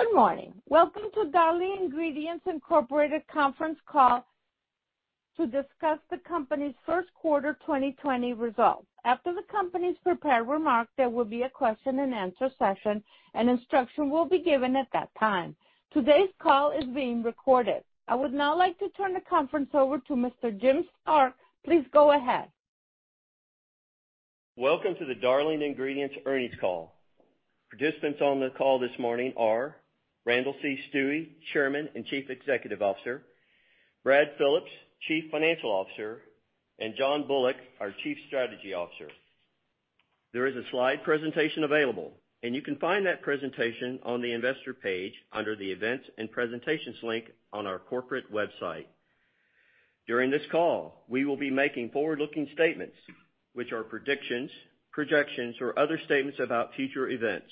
Good morning. Welcome to Darling Ingredients Incorporated conference call to discuss the company's First Quarter 2020 Results. After the company's prepared remarks, there will be a question-and-answer session, and instruction will be given at that time. Today's call is being recorded. I would now like to turn the conference over to Mr. Jim Stark. Please go ahead. Welcome to the Darling Ingredients earnings call. Participants on the call this morning are Randall C. Stuewe, Chairman and Chief Executive Officer, Brad Phillips, Chief Financial Officer, and John Bullock, our Chief Strategy Officer. There is a slide presentation available, and you can find that presentation on the investor page under the events and presentations link on our corporate website. During this call, we will be making forward-looking statements, which are predictions, projections, or other statements about future events.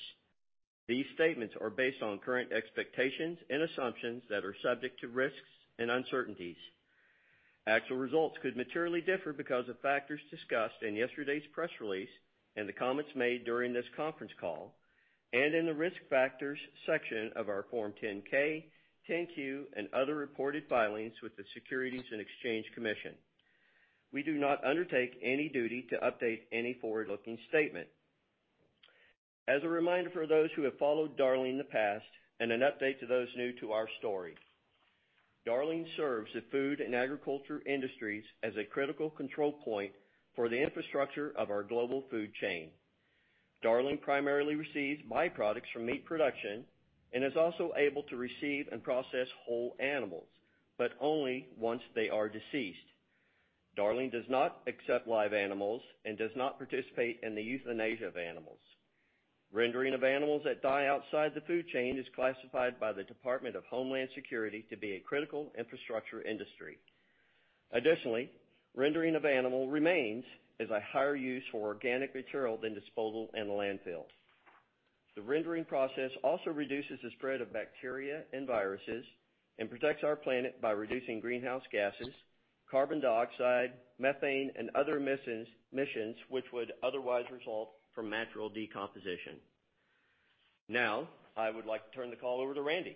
These statements are based on current expectations and assumptions that are subject to risks and uncertainties. Actual results could materially differ because of factors discussed in yesterday's press release and the comments made during this conference call, and in the risk factors section of our Form 10-K, 10-Q, and other reported filings with the Securities and Exchange Commission. We do not undertake any duty to update any forward-looking statement. As a reminder for those who have followed Darling in the past, and an update to those new to our story, Darling serves the food and agriculture industries as a critical control point for the infrastructure of our global food chain. Darling primarily receives byproducts from meat production and is also able to receive and process whole animals, but only once they are deceased. Darling does not accept live animals and does not participate in the euthanasia of animals. Rendering of animals that die outside the food chain is classified by the Department of Homeland Security to be a critical infrastructure industry. Additionally, rendering of animal remains as a higher use for organic material than disposal in the landfill. The rendering process also reduces the spread of bacteria and viruses and protects our planet by reducing greenhouse gases, carbon dioxide, methane, and other emissions which would otherwise result from natural decomposition. Now, I would like to turn the call over to Randy.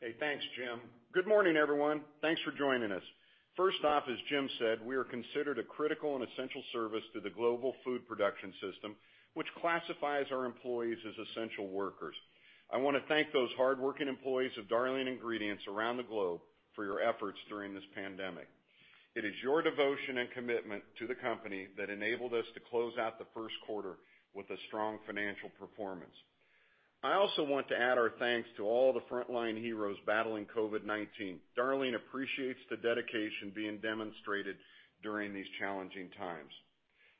Hey, thanks, Jim. Good morning, everyone. Thanks for joining us. First off, as Jim said, we are considered a critical and essential service to the global food production system, which classifies our employees as essential workers. I want to thank those hardworking employees of Darling Ingredients around the globe for your efforts during this pandemic. It is your devotion and commitment to the company that enabled us to close out the first quarter with a strong financial performance. I also want to add our thanks to all the frontline heroes battling COVID-19. Darling appreciates the dedication being demonstrated during these challenging times.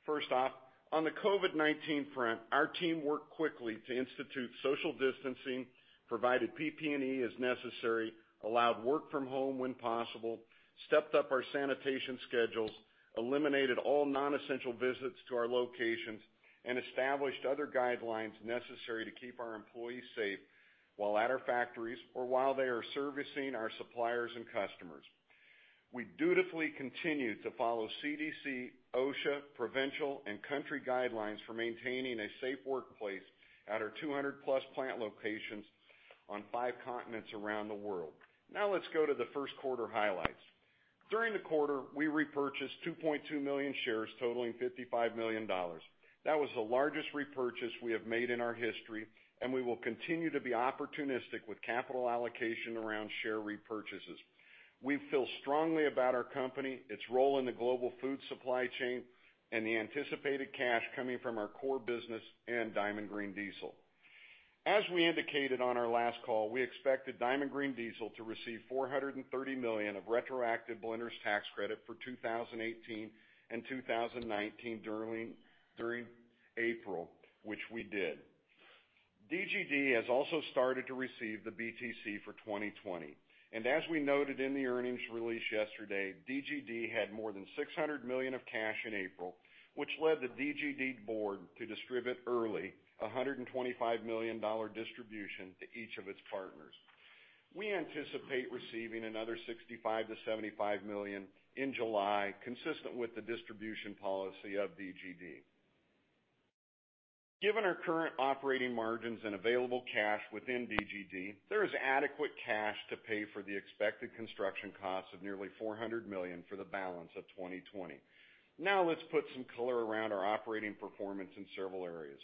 First off, on the COVID-19 front, our team worked quickly to institute social distancing, provided PPE as necessary, allowed work from home when possible, stepped up our sanitation schedules, eliminated all non-essential visits to our locations, and established other guidelines necessary to keep our employees safe while at our factories or while they are servicing our suppliers and customers. We dutifully continue to follow CDC, OSHA, provincial, and country guidelines for maintaining a safe workplace at our 200+ plant locations on five continents around the world. Now let's go to the first quarter highlights. During the quarter, we repurchased 2.2 million shares totaling $55 million. That was the largest repurchase we have made in our history, and we will continue to be opportunistic with capital allocation around share repurchases. We feel strongly about our company, its role in the global food supply chain, and the anticipated cash coming from our core business and Diamond Green Diesel. As we indicated on our last call, we expected Diamond Green Diesel to receive $430 million of retroactive blenders tax credit for 2018 and 2019 during April, which we did. DGD has also started to receive the BTC for 2020. And as we noted in the earnings release yesterday, DGD had more than $600 million of cash in April, which led the DGD board to distribute early a $125 million distribution to each of its partners. We anticipate receiving another $65 million-$75 million in July, consistent with the distribution policy of DGD. Given our current operating margins and available cash within DGD, there is adequate cash to pay for the expected construction costs of nearly $400 million for the balance of 2020. Now let's put some color around our operating performance in several areas.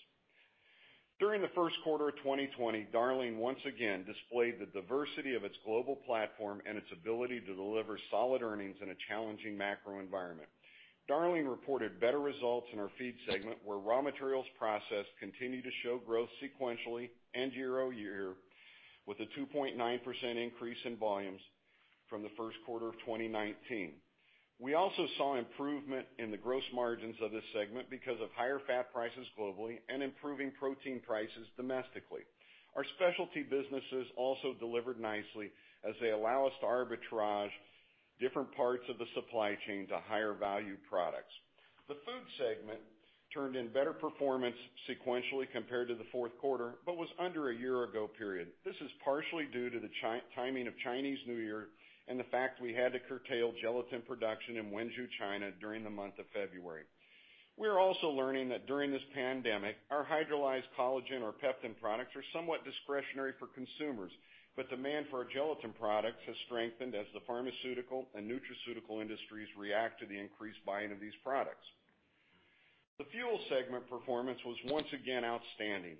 During the first quarter of 2020, Darling once again displayed the diversity of its global platform and its ability to deliver solid earnings in a challenging macro environment. Darling reported better results in our feed segment, where raw materials processed continued to show growth sequentially and year-over-year, with a 2.9% increase in volumes from the first quarter of 2019. We also saw improvement in the gross margins of this segment because of higher fat prices globally and improving protein prices domestically. Our specialty businesses also delivered nicely as they allow us to arbitrage different parts of the supply chain to higher value products. The food segment turned in better performance sequentially compared to the fourth quarter, but was under the year-ago period. This is partially due to the timing of Chinese New Year and the fact we had to curtail gelatin production in Wenzhou, China, during the month of February. We are also learning that during this pandemic, our hydrolyzed collagen or peptide products are somewhat discretionary for consumers, but demand for our gelatin products has strengthened as the pharmaceutical and nutraceutical industries react to the increased buying of these products. The fuel segment performance was once again outstanding.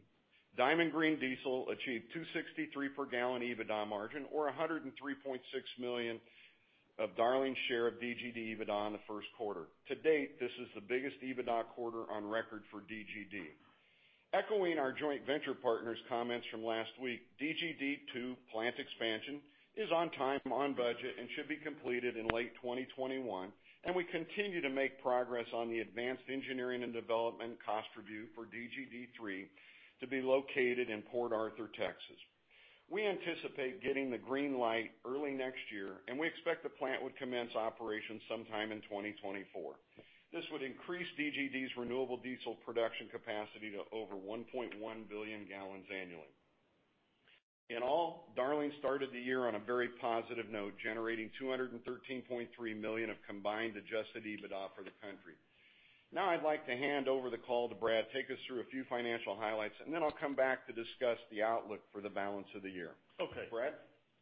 Diamond Green Diesel achieved $2.63 per gallon EBITDA margin, or $103.6 million of Darling's share of DGD EBITDA in the first quarter. To date, this is the biggest EBITDA quarter on record for DGD. Echoing our joint venture partners' comments from last week, DGD 2 plant expansion is on time, on budget, and should be completed in late 2021. We continue to make progress on the advanced engineering and development cost review for DGD 3 to be located in Port Arthur, Texas. We anticipate getting the green light early next year, and we expect the plant would commence operations sometime in 2024. This would increase DGD's renewable diesel production capacity to over 1.1 billion gallons annually. In all, Darling started the year on a very positive note, generating $213.3 million of combined adjusted EBITDA for the quarter. Now I'd like to hand over the call to Brad, take us through a few financial highlights, and then I'll come back to discuss the outlook for the balance of the year. Okay. Brad.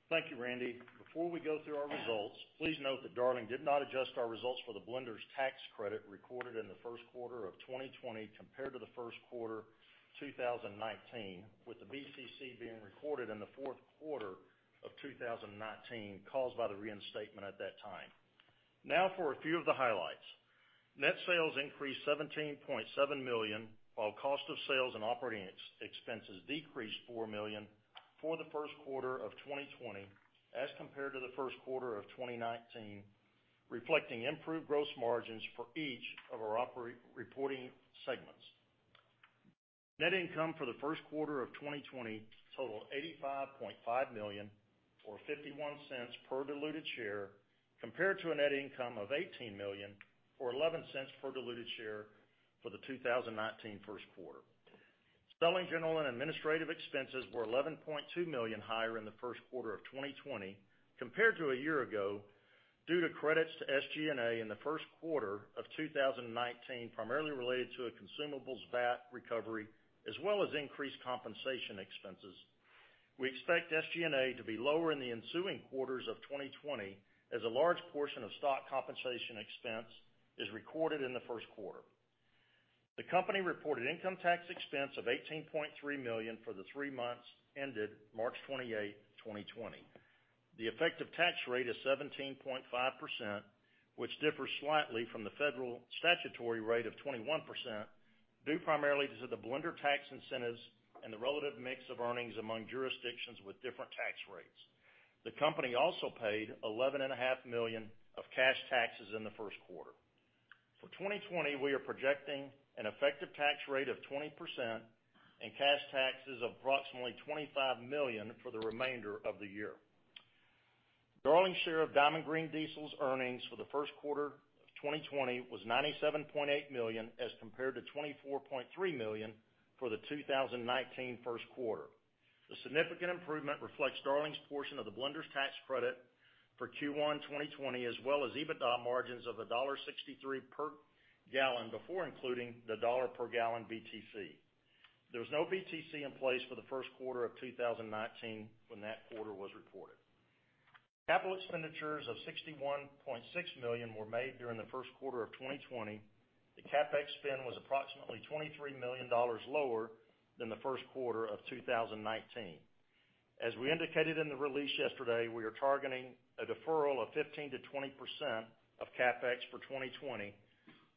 Thank you, Randy. Before we go through our results, please note that Darling did not adjust our results for the blender's tax credit recorded in the first quarter of 2020 compared to the first quarter of 2019, with the BTC being recorded in the fourth quarter of 2019 caused by the reinstatement at that time. Now for a few of the highlights. Net sales increased $17.7 million, while cost of sales and operating expenses decreased $4 million for the first quarter of 2020 as compared to the first quarter of 2019, reflecting improved gross margins for each of our reporting segments. Net income for the first quarter of 2020 totaled $85.5 million, or $0.51 per diluted share, compared to a net income of $18 million, or $0.11 per diluted share for the 2019 first quarter. Selling, general, and administrative expenses were $11.2 million higher in the first quarter of 2020 compared to a year ago due to credits to SG&A in the first quarter of 2019, primarily related to a consumables VAT recovery, as well as increased compensation expenses. We expect SG&A to be lower in the ensuing quarters of 2020 as a large portion of stock compensation expense is recorded in the first quarter. The company reported income tax expense of $18.3 million for the three months ended March 28, 2020. The effective tax rate is 17.5%, which differs slightly from the federal statutory rate of 21% due primarily to the blender tax incentives and the relative mix of earnings among jurisdictions with different tax rates. The company also paid $11.5 million of cash taxes in the first quarter. For 2020, we are projecting an effective tax rate of 20% and cash taxes of approximately $25 million for the remainder of the year. Darling's share of Diamond Green Diesel's earnings for the first quarter of 2020 was $97.8 million as compared to $24.3 million for the 2019 first quarter. The significant improvement reflects Darling's portion of the blender's tax credit for Q1 2020, as well as EBITDA margins of $1.63 per gallon before including the $1 per gallon BTC. There was no BTC in place for the first quarter of 2019 when that quarter was reported. Capital expenditures of $61.6 million were made during the first quarter of 2020. The CapEx spend was approximately $23 million lower than the first quarter of 2019. As we indicated in the release yesterday, we are targeting a deferral of 15%-20% of CapEx for 2020,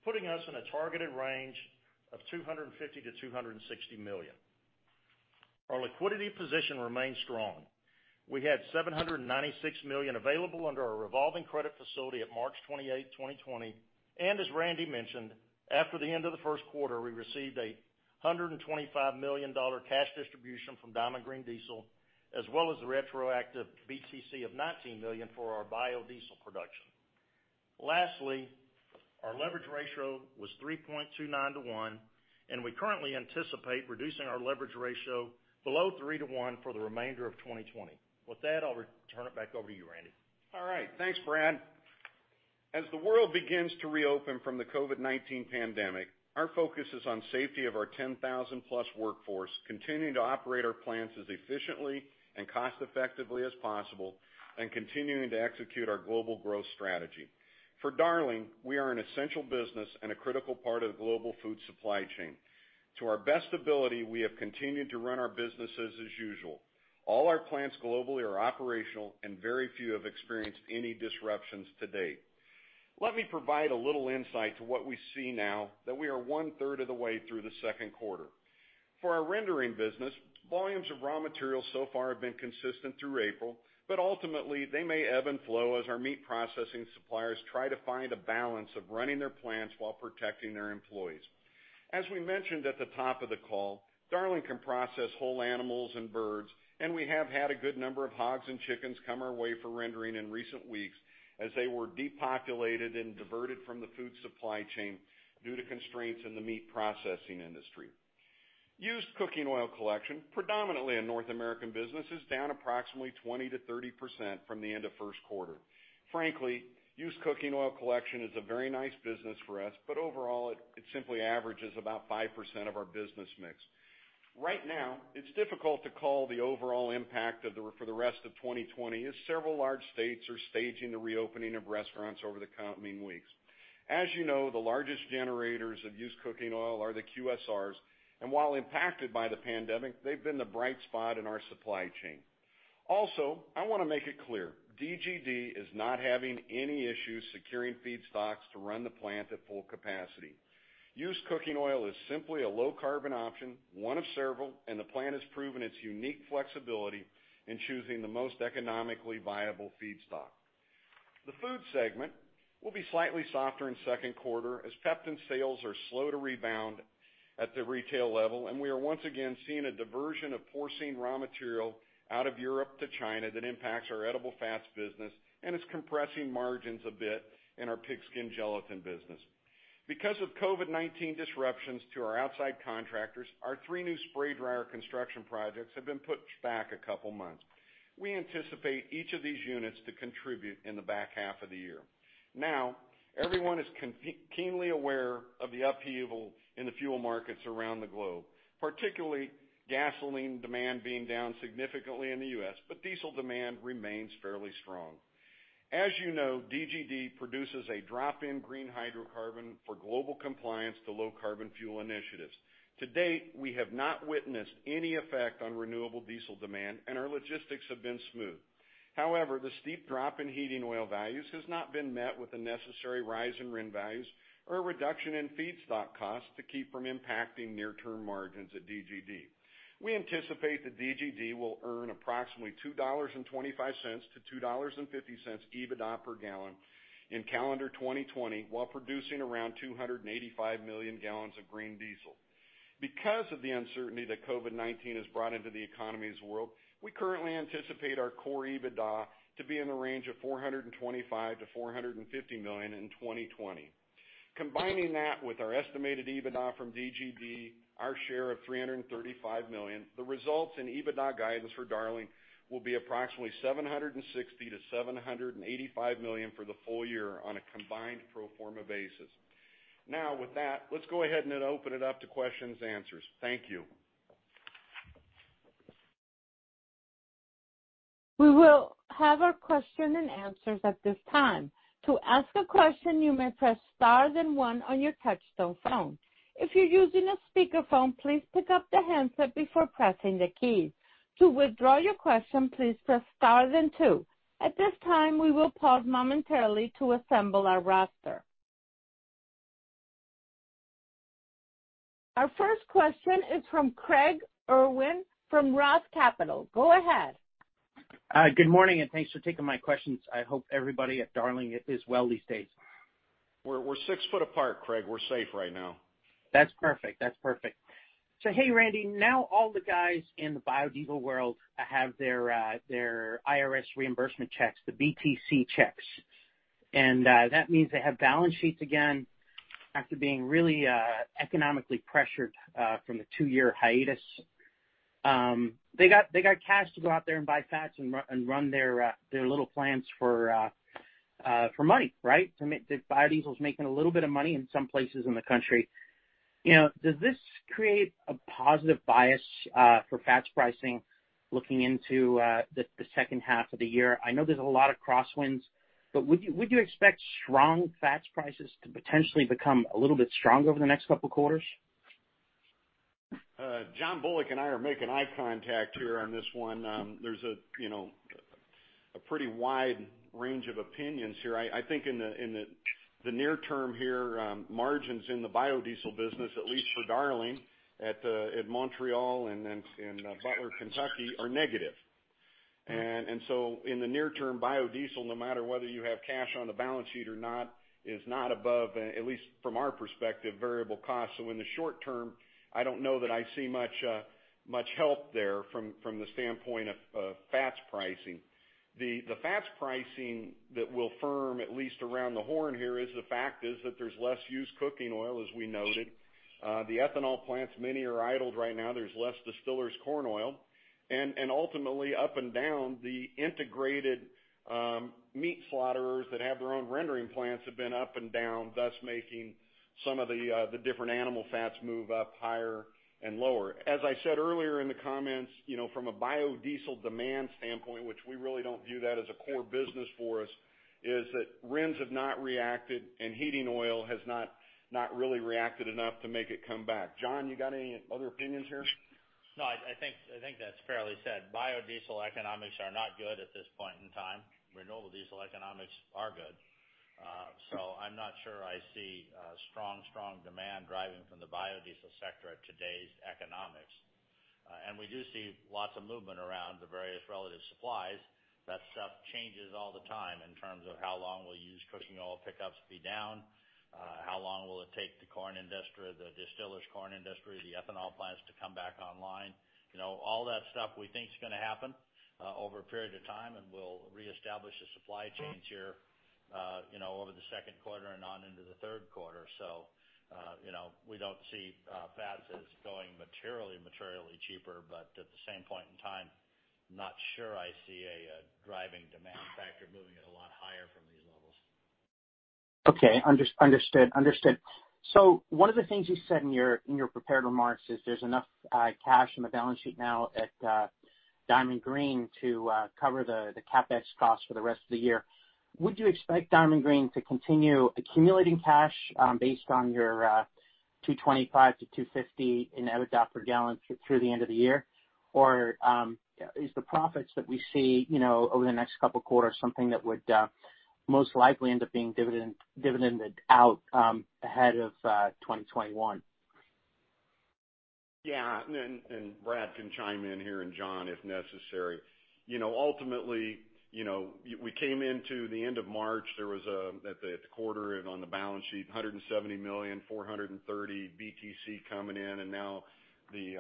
putting us in a targeted range of $250 million-$260 million. Our liquidity position remains strong. We had $796 million available under our revolving credit facility at March 28, 2020, and as Randy mentioned, after the end of the first quarter, we received a $125 million cash distribution from Diamond Green Diesel, as well as the retroactive BTC of $19 million for our biodiesel production. Lastly, our leverage ratio was 3.29 to 1, and we currently anticipate reducing our leverage ratio below 3 to 1 for the remainder of 2020. With that, I'll turn it back over to you, Randy. All right. Thanks, Brad. As the world begins to reopen from the COVID-19 pandemic, our focus is on the safety of our 10,000-plus workforce, continuing to operate our plants as efficiently and cost-effectively as possible, and continuing to execute our global growth strategy. For Darling, we are an essential business and a critical part of the global food supply chain. To our best ability, we have continued to run our businesses as usual. All our plants globally are operational, and very few have experienced any disruptions to date. Let me provide a little insight to what we see now, that we are one-third of the way through the second quarter. For our rendering business, volumes of raw materials so far have been consistent through April, but ultimately, they may ebb and flow as our meat processing suppliers try to find a balance of running their plants while protecting their employees. As we mentioned at the top of the call, Darling can process whole animals and birds, and we have had a good number of hogs and chickens come our way for rendering in recent weeks as they were depopulated and diverted from the food supply chain due to constraints in the meat processing industry. Used cooking oil collection, predominantly in North American businesses, is down approximately 20%-30% from the end of the first quarter. Frankly, used cooking oil collection is a very nice business for us, but overall, it simply averages about 5% of our business mix. Right now, it's difficult to call the overall impact for the rest of 2020 as several large states are staging the reopening of restaurants over the coming weeks. As you know, the largest generators of used cooking oil are the QSRs, and while impacted by the pandemic, they've been the bright spot in our supply chain. Also, I want to make it clear, DGD is not having any issues securing feedstocks to run the plant at full capacity. Used cooking oil is simply a low-carbon option, one of several, and the plant has proven its unique flexibility in choosing the most economically viable feedstock. The food segment will be slightly softer in the second quarter as Peptan sales are slow to rebound at the retail level, and we are once again seeing a diversion of porcine raw material out of Europe to China that impacts our edible fats business and is compressing margins a bit in our pigskin gelatin business. Because of COVID-19 disruptions to our outside contractors, our three new spray dryer construction projects have been pushed back a couple of months. We anticipate each of these units to contribute in the back half of the year. Now, everyone is keenly aware of the upheaval in the fuel markets around the globe, particularly gasoline demand being down significantly in the U.S., but diesel demand remains fairly strong. As you know, DGD produces a drop-in green hydrocarbon for global compliance to low-carbon fuel initiatives. To date, we have not witnessed any effect on renewable diesel demand, and our logistics have been smooth. However, the steep drop in heating oil values has not been met with the necessary rise in RIN values or a reduction in feedstock costs to keep from impacting near-term margins at DGD. We anticipate that DGD will earn approximately $2.25-$2.50 EBITDA per gallon in calendar 2020 while producing around 285 million gallons of green diesel. Because of the uncertainty that COVID-19 has brought into the world's economy, we currently anticipate our core EBITDA to be in the range of $425 million-$450 million in 2020. Combining that with our estimated EBITDA from DGD, our share of $335 million, that results in EBITDA guidance for Darling will be approximately $760 million-$785 million for the full year on a combined pro forma basis. Now, with that, let's go ahead and open it up to questions and answers. Thank you. We will have our question and answers at this time. To ask a question, you may press star, then one, on your touch-tone phone. If you're using a speakerphone, please pick up the handset before pressing the keys. To withdraw your question, please press star, then two. At this time, we will pause momentarily to assemble our roster. Our first question is from Craig Irwin from Roth Capital. Go ahead. Good morning, and thanks for taking my questions. I hope everybody at Darling is well these days. We're six foot apart, Craig. We're safe right now. That's perfect. That's perfect. So hey, Randy. Now all the guys in the biodiesel world have their IRS reimbursement checks, the BTC checks. And that means they have balance sheets again after being really economically pressured from the two-year hiatus. They got cash to go out there and buy fats and run their little plants for money, right? Biodiesel's making a little bit of money in some places in the country. Does this create a positive bias for fats pricing looking into the second half of the year? I know there's a lot of crosswinds, but would you expect strong fats prices to potentially become a little bit stronger over the next couple of quarters? John Bullock and I are making eye contact here on this one. There's a pretty wide range of opinions here. I think in the near term here, margins in the biodiesel business, at least for Darling at Montreal and Butler, Kentucky, are negative. And so in the near term, biodiesel, no matter whether you have cash on the balance sheet or not, is not above, at least from our perspective, variable costs. So in the short term, I don't know that I see much help there from the standpoint of fats pricing. The fats pricing that will firm at least around the horn here is the fact that there's less used cooking oil, as we noted. The ethanol plants, many are idled right now. There's less distillers' corn oil. And ultimately, up and down, the integrated meat slaughterers that have their own rendering plants have been up and down, thus making some of the different animal fats move up higher and lower. As I said earlier in the comments, from a biodiesel demand standpoint, which we really don't view that as a core business for us, is that RINs have not reacted, and heating oil has not really reacted enough to make it come back. John, you got any other opinions here? No, I think that's fairly said. Biodiesel economics are not good at this point in time. Renewable diesel economics are good. So I'm not sure I see strong, strong demand driving from the biodiesel sector at today's economics. And we do see lots of movement around the various relative supplies. That stuff changes all the time in terms of how long will used cooking oil pickups be down, how long will it take the corn industry, the distillers' corn industry, the ethanol plants to come back online. All that stuff, we think, is going to happen over a period of time, and we'll reestablish the supply chains here over the second quarter and on into the third quarter. So we don't see fats as going materially cheaper, but at the same point in time, I'm not sure I see a driving demand factor moving a lot higher from these levels. Okay. Understood. Understood. So one of the things you said in your prepared remarks is there's enough cash in the balance sheet now at Diamond Green to cover the CapEx costs for the rest of the year. Would you expect Diamond Green to continue accumulating cash based on your 225-250 in EBITDA per gallon through the end of the year? Or is the profits that we see over the next couple of quarters something that would most likely end up being dividended out ahead of 2021? Yeah, and Brad can chime in here and John, if necessary. Ultimately, we came into the end of March; there was a quarter on the balance sheet, $170 million, $430 BTC coming in, and now the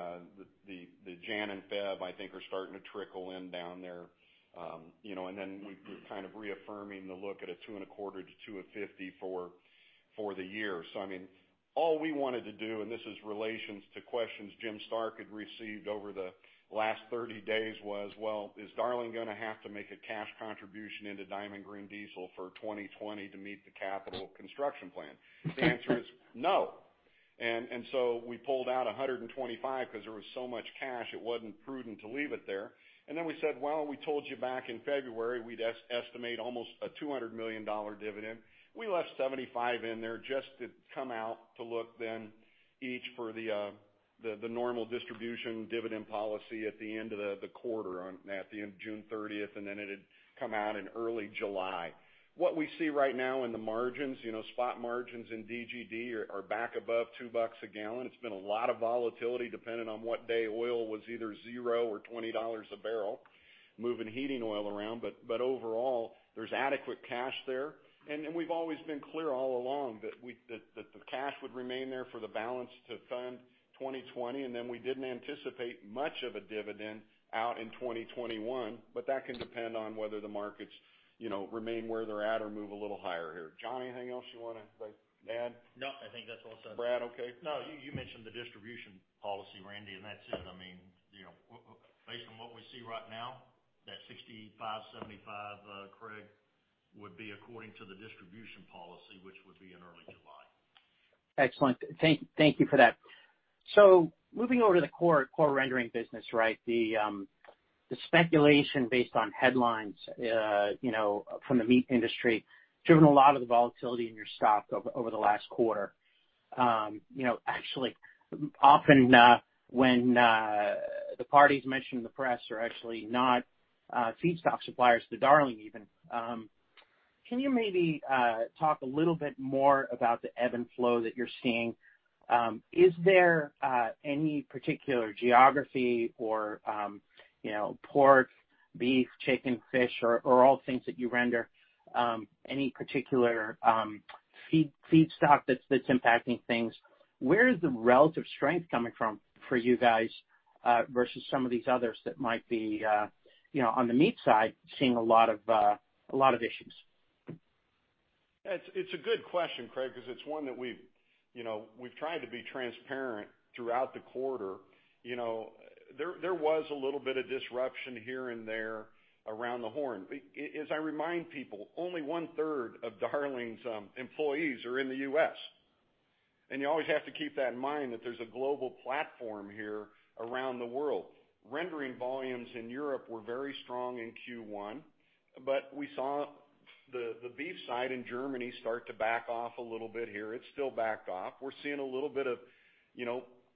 January and February, I think, are starting to trickle in down there. And then we're kind of reaffirming the look at $2.25-$250 for the year. So I mean, all we wanted to do, and this is in relation to questions Jim Stark had received over the last 30 days, was, well, is Darling going to have to make a cash contribution into Diamond Green Diesel for 2020 to meet the capital construction plan? The answer is no, and so we pulled out $125 million because there was so much cash; it wasn't prudent to leave it there. And then we said, well, we told you back in February we'd estimate almost a $200 million dividend. We left $75 million in there just to come out to $1.25 each for the normal distribution dividend policy at the end of the quarter, at the end of June 30th, and then it had come out in early July. What we see right now in the margins, spot margins in DGD are back above $2 a gallon. It's been a lot of volatility depending on what day oil was either zero or $20 a barrel, moving heating oil around. But overall, there's adequate cash there. And we've always been clear all along that the cash would remain there for the balance to fund 2020, and then we didn't anticipate much of a dividend out in 2021, but that can depend on whether the markets remain where they're at or move a little higher here. John, anything else you want to add? No, I think that's all set. Brad? Okay. No, you mentioned the distribution policy, Randy, and that's it. I mean, based on what we see right now, that 65-75, Craig, would be according to the distribution policy, which would be in early July. Excellent. Thank you for that. So moving over to the core rendering business, right? The speculation based on headlines from the meat industry driven a lot of the volatility in your stock over the last quarter. Actually, often when the parties mentioned in the press are actually not feedstock suppliers to Darling even. Can you maybe talk a little bit more about the ebb and flow that you're seeing? Is there any particular geography or pork, beef, chicken, fish, or all things that you render, any particular feedstock that's impacting things? Where is the relative strength coming from for you guys versus some of these others that might be on the meat side seeing a lot of issues? It's a good question, Craig, because it's one that we've tried to be transparent throughout the quarter. There was a little bit of disruption here and there around the horn. As I remind people, only one-third of Darling's employees are in the U.S. And you always have to keep that in mind that there's a global platform here around the world. Rendering volumes in Europe were very strong in Q1, but we saw the beef side in Germany start to back off a little bit here. It's still backed off. We're seeing a little bit of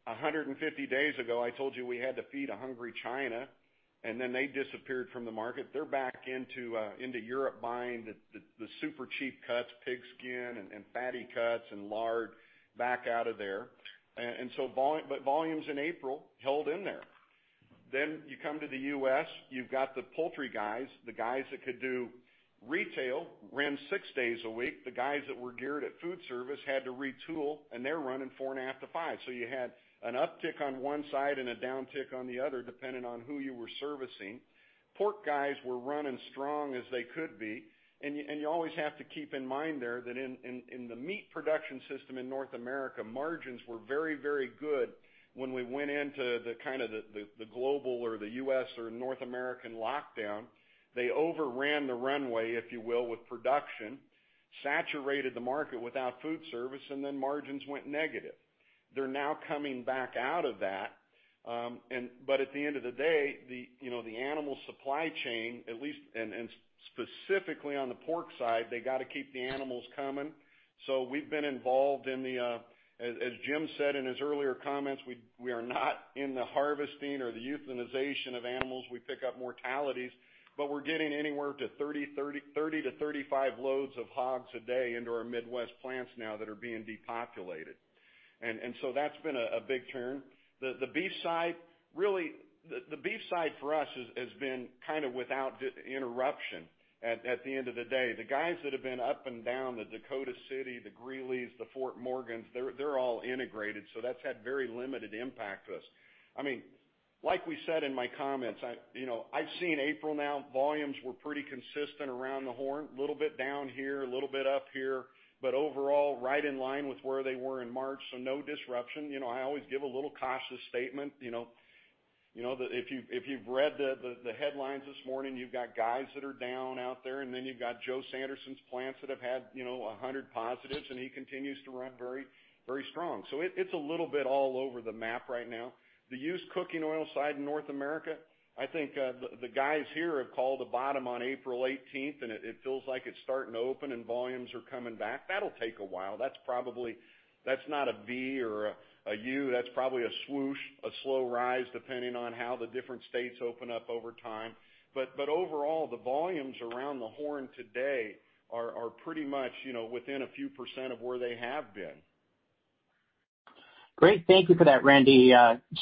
150 days ago, I told you we had to feed a hungry China, and then they disappeared from the market. They're back into Europe buying the super cheap cuts, pigskin and fatty cuts and lard back out of there. But volumes in April held in there. Then you come to the U.S., you've got the poultry guys, the guys that could do retail, run six days a week. The guys that were geared at food service had to retool, and they're running four and a half to five. So you had an uptick on one side and a downtick on the other depending on who you were servicing. Pork guys were running strong as they could be. And you always have to keep in mind there that in the meat production system in North America, margins were very, very good when we went into the kind of the global or the U.S. or North American lockdown. They overran the runway, if you will, with production, saturated the market without food service, and then margins went negative. They're now coming back out of that. But at the end of the day, the animal supply chain, at least, and specifically on the pork side, they got to keep the animals coming. So we've been involved in the, as Jim said in his earlier comments, we are not in the harvesting or the euthanization of animals. We pick up mortalities, but we're getting anywhere to 30-35 loads of hogs a day into our Midwest plants now that are being depopulated. And so that's been a big turn. The beef side, really, the beef side for us has been kind of without interruption at the end of the day. The guys that have been up and down the Dakota City, the Greeley, the Fort Morgan, they're all integrated. So that's had very limited impact to us. I mean, like we said in my comments, I've seen April now, volumes were pretty consistent around the horn, a little bit down here, a little bit up here, but overall, right in line with where they were in March. So no disruption. I always give a little cautious statement. If you've read the headlines this morning, you've got guys that are down out there, and then you've got Joe Sanderson's plants that have had 100 positives, and he continues to run very, very strong. So it's a little bit all over the map right now. The used cooking oil side in North America, I think the guys here have called a bottom on April 18th, and it feels like it's starting to open and volumes are coming back. That'll take a while. That's probably not a V or a U. That's probably a swoosh, a slow rise depending on how the different states open up over time. But overall, the volumes around the horn today are pretty much within a few % of where they have been. Great. Thank you for that, Randy.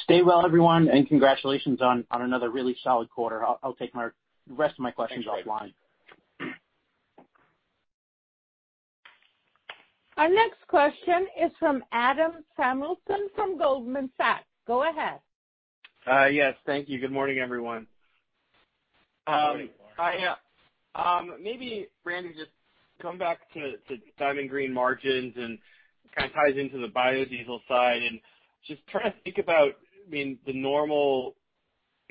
Stay well, everyone, and congratulations on another really solid quarter. I'll take the rest of my questions offline. Thank you. Our next question is from Adam Samuelson from Goldman Sachs. Go ahead. Yes. Thank you. Good morning, everyone. Hi. Maybe, Randy, just come back to Diamond Green margins and kind of ties into the biodiesel side and just try to think about, I mean, the normal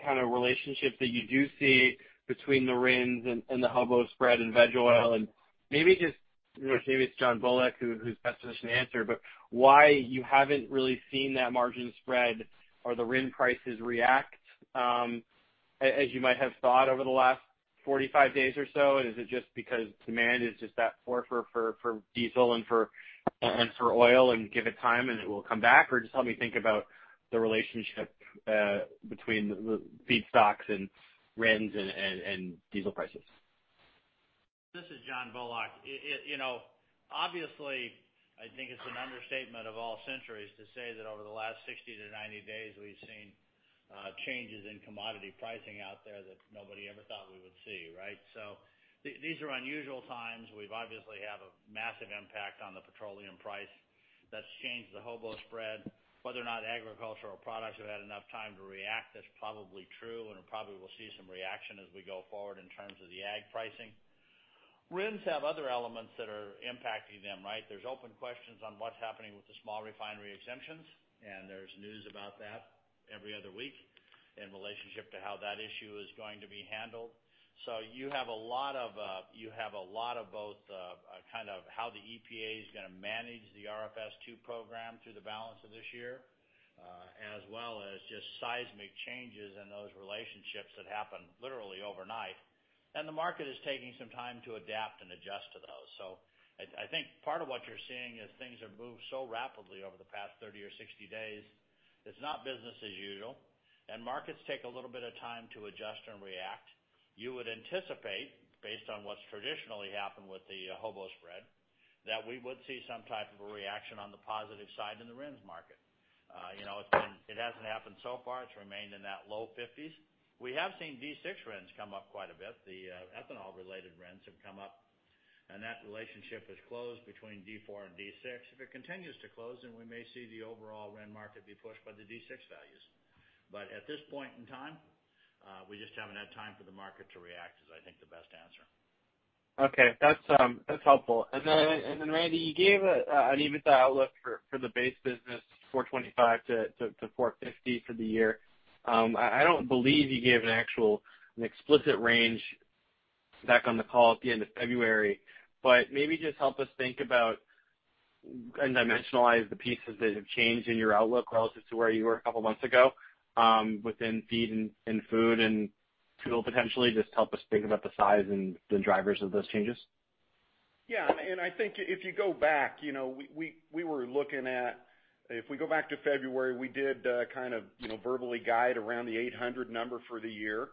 kind of relationship that you do see between the RINs and the HOBO spread and veg oil. And maybe just, maybe it's John Bullock who's best positioned to answer, but why you haven't really seen that margin spread or the RIN prices react as you might have thought over the last 45 days or so? And is it just because demand is just that poor for diesel and for oil and give it time and it will come back? Or just help me think about the relationship between the feedstocks and RINs and diesel prices. This is John Bullock. Obviously, I think it's an understatement of all centuries to say that over the last 60-90 days, we've seen changes in commodity pricing out there that nobody ever thought we would see, right? So these are unusual times. We obviously have a massive impact on the petroleum price that's changed the HOBO spread. Whether or not agricultural products have had enough time to react, that's probably true, and we probably will see some reaction as we go forward in terms of the ag pricing. RINs have other elements that are impacting them, right? There's open questions on what's happening with the small refinery exemptions, and there's news about that every other week in relationship to how that issue is going to be handled. So you have a lot of both kind of how the EPA is going to manage the RFS2 program through the balance of this year, as well as just seismic changes in those relationships that happen literally overnight. And the market is taking some time to adapt and adjust to those. I think part of what you're seeing is things have moved so rapidly over the past 30 or 60 days. It's not business as usual, and markets take a little bit of time to adjust and react. You would anticipate, based on what's traditionally happened with the HOBO spread, that we would see some type of a reaction on the positive side in the RINs market. It hasn't happened so far. It's remained in that low 50s. We have seen D6 RINs come up quite a bit. The ethanol-related RINs have come up, and that relationship is close between D4 and D6. If it continues to close, then we may see the overall RIN market be pushed by the D6 values. But at this point in time, we just haven't had time for the market to react, is, I think, the best answer. Okay. That's helpful. And then, Randy, you gave an even-throughout look for the base business, 425-450 for the year. I don't believe you gave an actual explicit range back on the call at the end of February, but maybe just help us think about and dimensionalize the pieces that have changed in your outlook relative to where you were a couple of months ago within feed and food and fuel potentially. Just help us think about the size and the drivers of those changes. Yeah, and I think if you go back, we were looking at if we go back to February, we did kind of verbally guide around the $800 number for the year,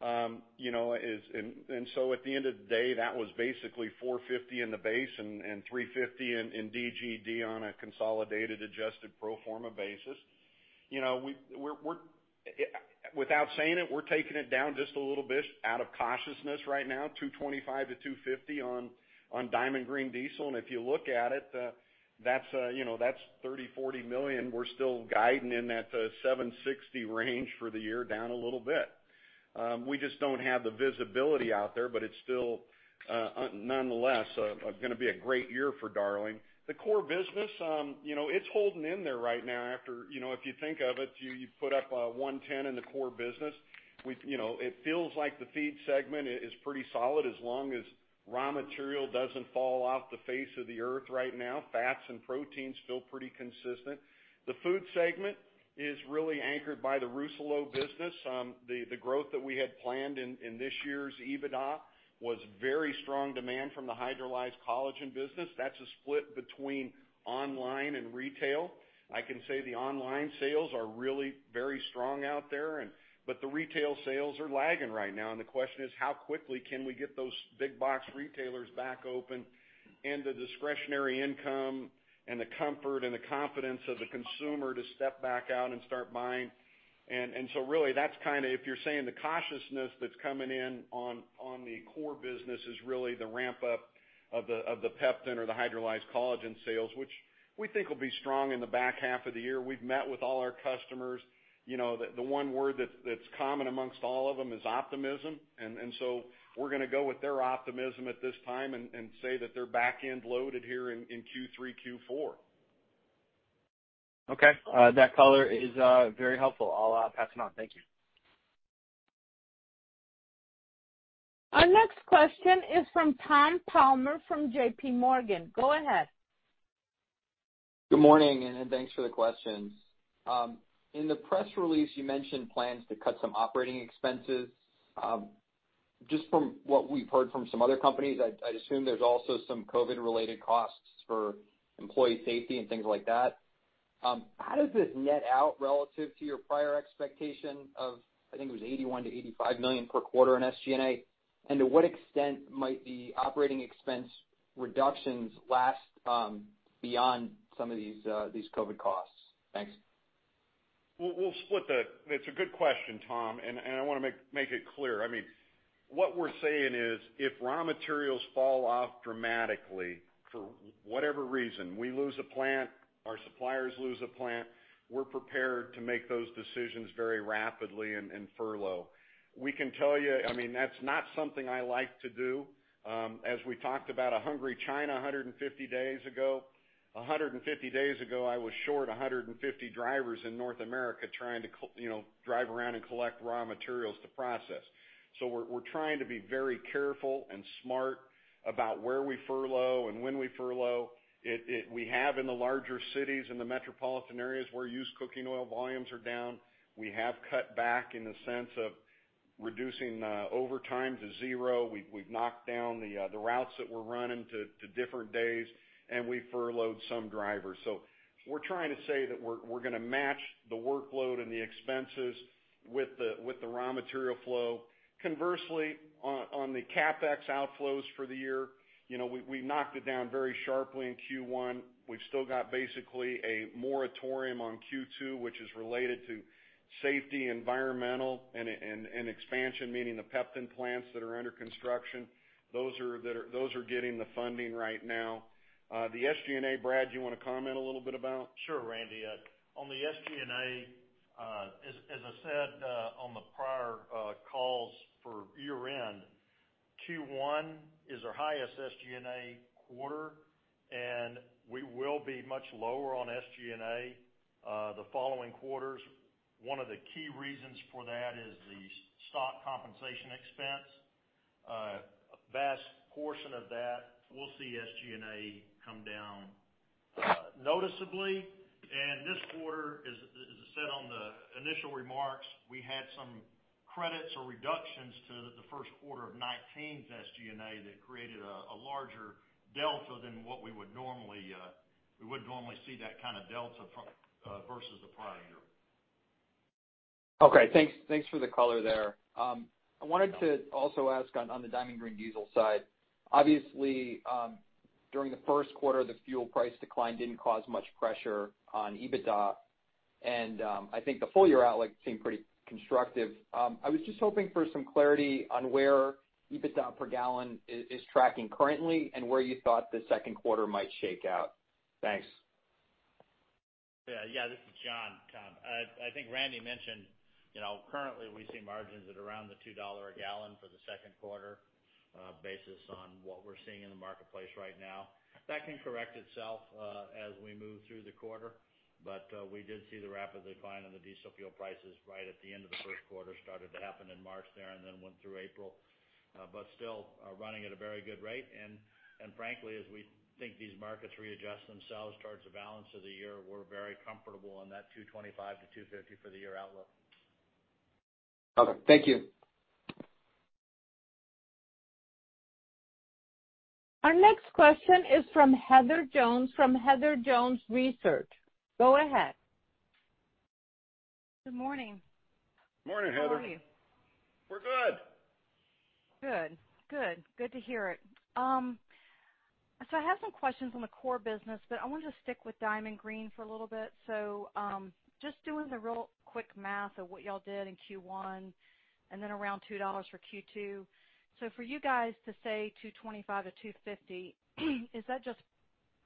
and so at the end of the day, that was basically $450 in the base and $350 in DGD on a consolidated adjusted pro forma basis. Without saying it, we're taking it down just a little bit out of cautiousness right now, $225-$250 on Diamond Green Diesel. And if you look at it, that's $30-$40 million. We're still guiding in that $760 range for the year, down a little bit. We just don't have the visibility out there, but it's still nonetheless going to be a great year for Darling. The core business, it's holding in there right now after if you think of it, you put up $110 in the core business. It feels like the feed segment is pretty solid as long as raw material doesn't fall off the face of the earth right now. Fats and proteins feel pretty consistent. The food segment is really anchored by the Rousselot business. The growth that we had planned in this year's EBITDA was very strong demand from the hydrolyzed collagen business. That's a split between online and retail. I can say the online sales are really very strong out there, but the retail sales are lagging right now, and the question is, how quickly can we get those big box retailers back open and the discretionary income and the comfort and the confidence of the consumer to step back out and start buying? And so really, that's kind of if you're saying the cautiousness that's coming in on the core business is really the ramp-up of the Peptan or the hydrolyzed collagen sales, which we think will be strong in the back half of the year. We've met with all our customers. The one word that's common amongst all of them is optimism. And so we're going to go with their optimism at this time and say that they're back-end loaded here in Q3, Q4. Okay. That color is very helpful. I'll pass it on. Thank you. Our next question is from Tom Palmer from J.P. Morgan. Go ahead. Good morning, and thanks for the questions. In the press release, you mentioned plans to cut some operating expenses. Just from what we've heard from some other companies, I'd assume there's also some COVID-related costs for employee safety and things like that. How does this net out relative to your prior expectation of, I think it was $81 million-$85 million per quarter in SG&A? And to what extent might the operating expense reductions last beyond some of these COVID costs? Thanks. It's a good question, Tom, and I want to make it clear. I mean, what we're saying is if raw materials fall off dramatically for whatever reason, we lose a plant, our suppliers lose a plant, we're prepared to make those decisions very rapidly and furlough. We can tell you, I mean, that's not something I like to do. As we talked about a hungry China 150 days ago, I was short 150 drivers in North America trying to drive around and collect raw materials to process. So we're trying to be very careful and smart about where we furlough and when we furlough. We have in the larger cities in the metropolitan areas where used cooking oil volumes are down. We have cut back in the sense of reducing overtime to zero. We've knocked down the routes that we're running to different days, and we furloughed some drivers. So we're trying to say that we're going to match the workload and the expenses with the raw material flow. Conversely, on the CapEx outflows for the year, we knocked it down very sharply in Q1. We've still got basically a moratorium on Q2, which is related to safety, environmental, and expansion, meaning the Peptan plants that are under construction. Those are getting the funding right now. The SG&A, Brad, do you want to comment a little bit about? Sure, Randy. On the SG&A, as I said on the prior calls for year-end, Q1 is our highest SG&A quarter, and we will be much lower on SG&A the following quarters. One of the key reasons for that is the stock compensation expense. A vast portion of that, we'll see SG&A come down noticeably. And this quarter, as I said on the initial remarks, we had some credits or reductions to the first quarter of 2019's SG&A that created a larger delta than what we would normally see that kind of delta versus the prior year. Okay. Thanks for the color there. I wanted to also ask on the Diamond Green Diesel side. Obviously, during the first quarter, the fuel price decline didn't cause much pressure on EBITDA, and I think the full year outlook seemed pretty constructive. I was just hoping for some clarity on where EBITDA per gallon is tracking currently and where you thought the second quarter might shake out. Thanks. Yeah. Yeah. This is John, Tom. I think Randy mentioned currently we see margins at around the $2 a gallon for the second quarter based on what we're seeing in the marketplace right now. That can correct itself as we move through the quarter, but we did see the rapid decline in the diesel fuel prices right at the end of the first quarter started to happen in March there and then went through April, but still running at a very good rate. Frankly, as we think these markets readjust themselves towards the balance of the year, we're very comfortable on that $2.25-$2.50 for the year outlook. Okay. Thank you. Our next question is from Heather Jones from Heather Jones Research. Go ahead. Good morning. Morning, Heather. How are you? We're good. Good. Good. Good to hear it. So I have some questions on the core business, but I wanted to stick with Diamond Green for a little bit. So just doing the real quick math of what y'all did in Q1 and then around $2 for Q2. So for you guys to say 225 to 250, is that just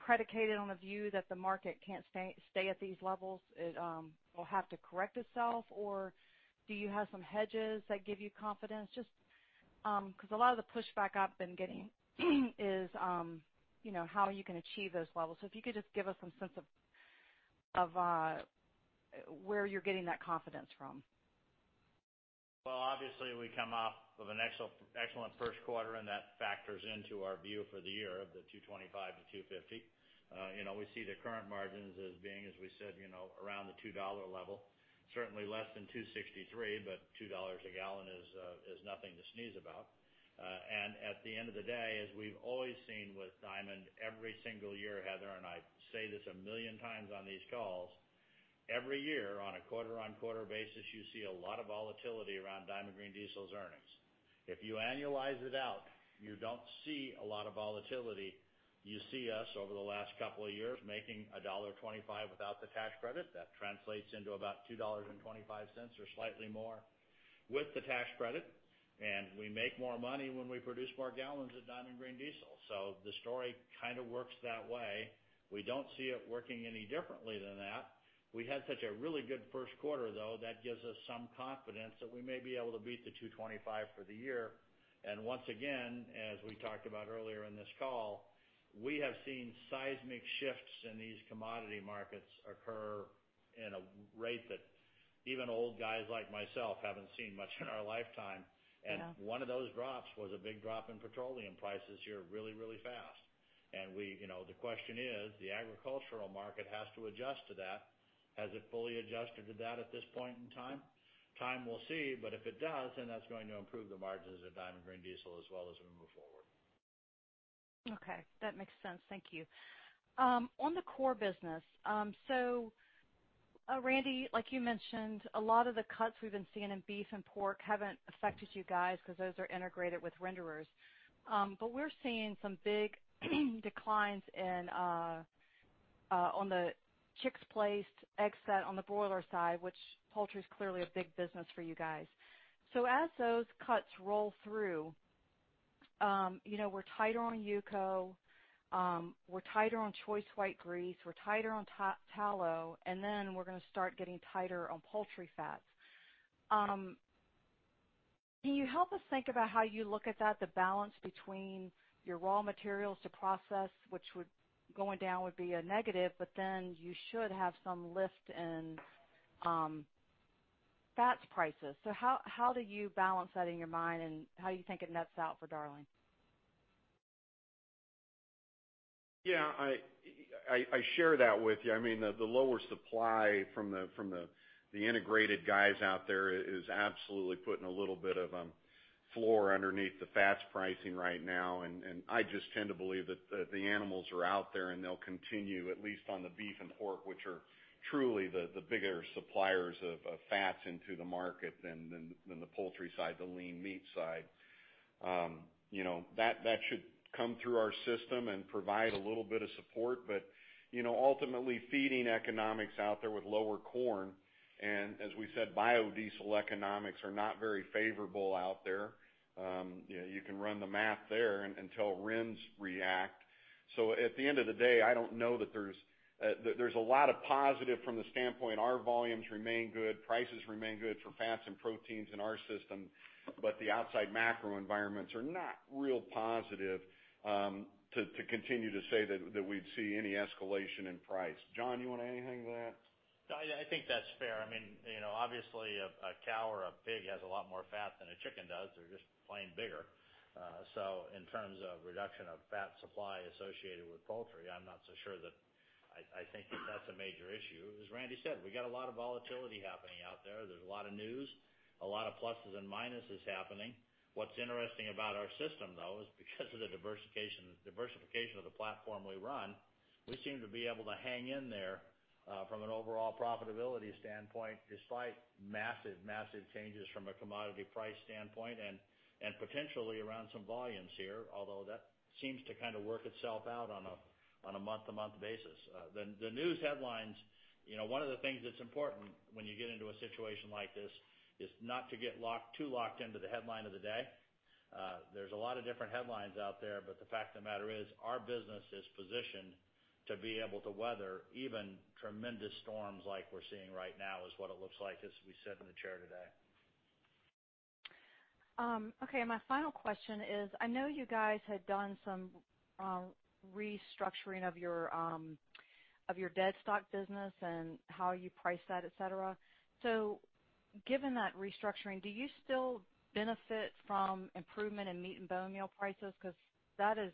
predicated on a view that the market can't stay at these levels? It'll have to correct itself, or do you have some hedges that give you confidence? Just because a lot of the pushback I've been getting is how you can achieve those levels. So if you could just give us some sense of where you're getting that confidence from. Obviously, we come off of an excellent first quarter, and that factors into our view for the year of the $225-$250. We see the current margins as being, as we said, around the $2 level. Certainly less than $2.63, but $2 a gallon is nothing to sneeze about. And at the end of the day, as we've always seen with Diamond, every single year, Heather and I say this a million times on these calls, every year on a quarter-on-quarter basis, you see a lot of volatility around Diamond Green Diesel's earnings. If you annualize it out, you don't see a lot of volatility. You see us over the last couple of years making $1.25 without the tax credit. That translates into about $2.25 or slightly more with the tax credit. And we make more money when we produce more gallons of Diamond Green Diesel. So the story kind of works that way. We don't see it working any differently than that. We had such a really good first quarter, though, that gives us some confidence that we may be able to beat the 225 for the year. And once again, as we talked about earlier in this call, we have seen seismic shifts in these commodity markets occur at a rate that even old guys like myself haven't seen much in our lifetime. And one of those drops was a big drop in petroleum prices here really, really fast. And the question is, the agricultural market has to adjust to that. Has it fully adjusted to that at this point in time? Time will see. But if it does, then that's going to improve the margins of Diamond Green Diesel as well as we move forward. Okay. That makes sense. Thank you. On the core business, so Randy, like you mentioned, a lot of the cuts we've been seeing in beef and pork haven't affected you guys because those are integrated with renderers. But we're seeing some big declines on the chicks placed, eggs set on the broiler side, which poultry is clearly a big business for you guys. So as those cuts roll through, we're tighter on UCO. We're tighter on choice white grease. We're tighter on tallow. And then we're going to start getting tighter on poultry fats. Can you help us think about how you look at that, the balance between your raw materials to process, which going down would be a negative, but then you should have some lift in fats prices? So how do you balance that in your mind, and how do you think it nets out for Darling? Yeah. I share that with you. I mean, the lower supply from the integrated guys out there is absolutely putting a little bit of floor underneath the fats pricing right now, and I just tend to believe that the animals are out there, and they'll continue, at least on the beef and pork, which are truly the bigger suppliers of fats into the market than the poultry side, the lean meat side. That should come through our system and provide a little bit of support, but ultimately, feeding economics out there with lower corn, and as we said, biodiesel economics are not very favorable out there. You can run the math there until RINs react, so at the end of the day, I don't know that there's a lot of positive from the standpoint. Our volumes remain good. Prices remain good for fats and proteins in our system, but the outside macro environments are not really positive to continue to say that we'd see any escalation in price. John, you want to add anything to that? I think that's fair. I mean, obviously, a cow or a pig has a lot more fat than a chicken does. They're just plain bigger. So in terms of reduction of fat supply associated with poultry, I'm not so sure that I think that that's a major issue. As Randy said, we got a lot of volatility happening out there. There's a lot of news, a lot of pluses and minuses happening. What's interesting about our system, though, is because of the diversification of the platform we run, we seem to be able to hang in there from an overall profitability standpoint despite massive, massive changes from a commodity price standpoint and potentially around some volumes here, although that seems to kind of work itself out on a month-to-month basis. The news headlines, one of the things that's important when you get into a situation like this is not to get too locked into the headline of the day. There's a lot of different headlines out there, but the fact of the matter is our business is positioned to be able to weather even tremendous storms like we're seeing right now is what it looks like, as we said in the chair today. Okay. My final question is, I know you guys had done some restructuring of your deadstock business and how you price that, etc. So given that restructuring, do you still benefit from improvement in meat and bone meal prices? Because that has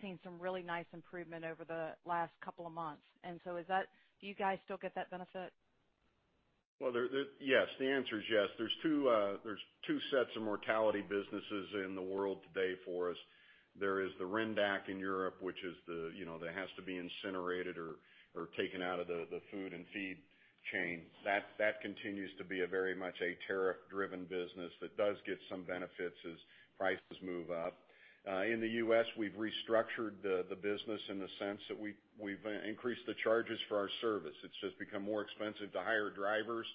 seen some really nice improvement over the last couple of months. And so do you guys still get that benefit? Well, yes. The answer is yes. There's two sets of mortality businesses in the world today for us. There is the Rendac in Europe, which is the that has to be incinerated or taken out of the food and feed chain. That continues to be very much a tariff-driven business that does get some benefits as prices move up. In the U.S., we've restructured the business in the sense that we've increased the charges for our service. It's just become more expensive to hire drivers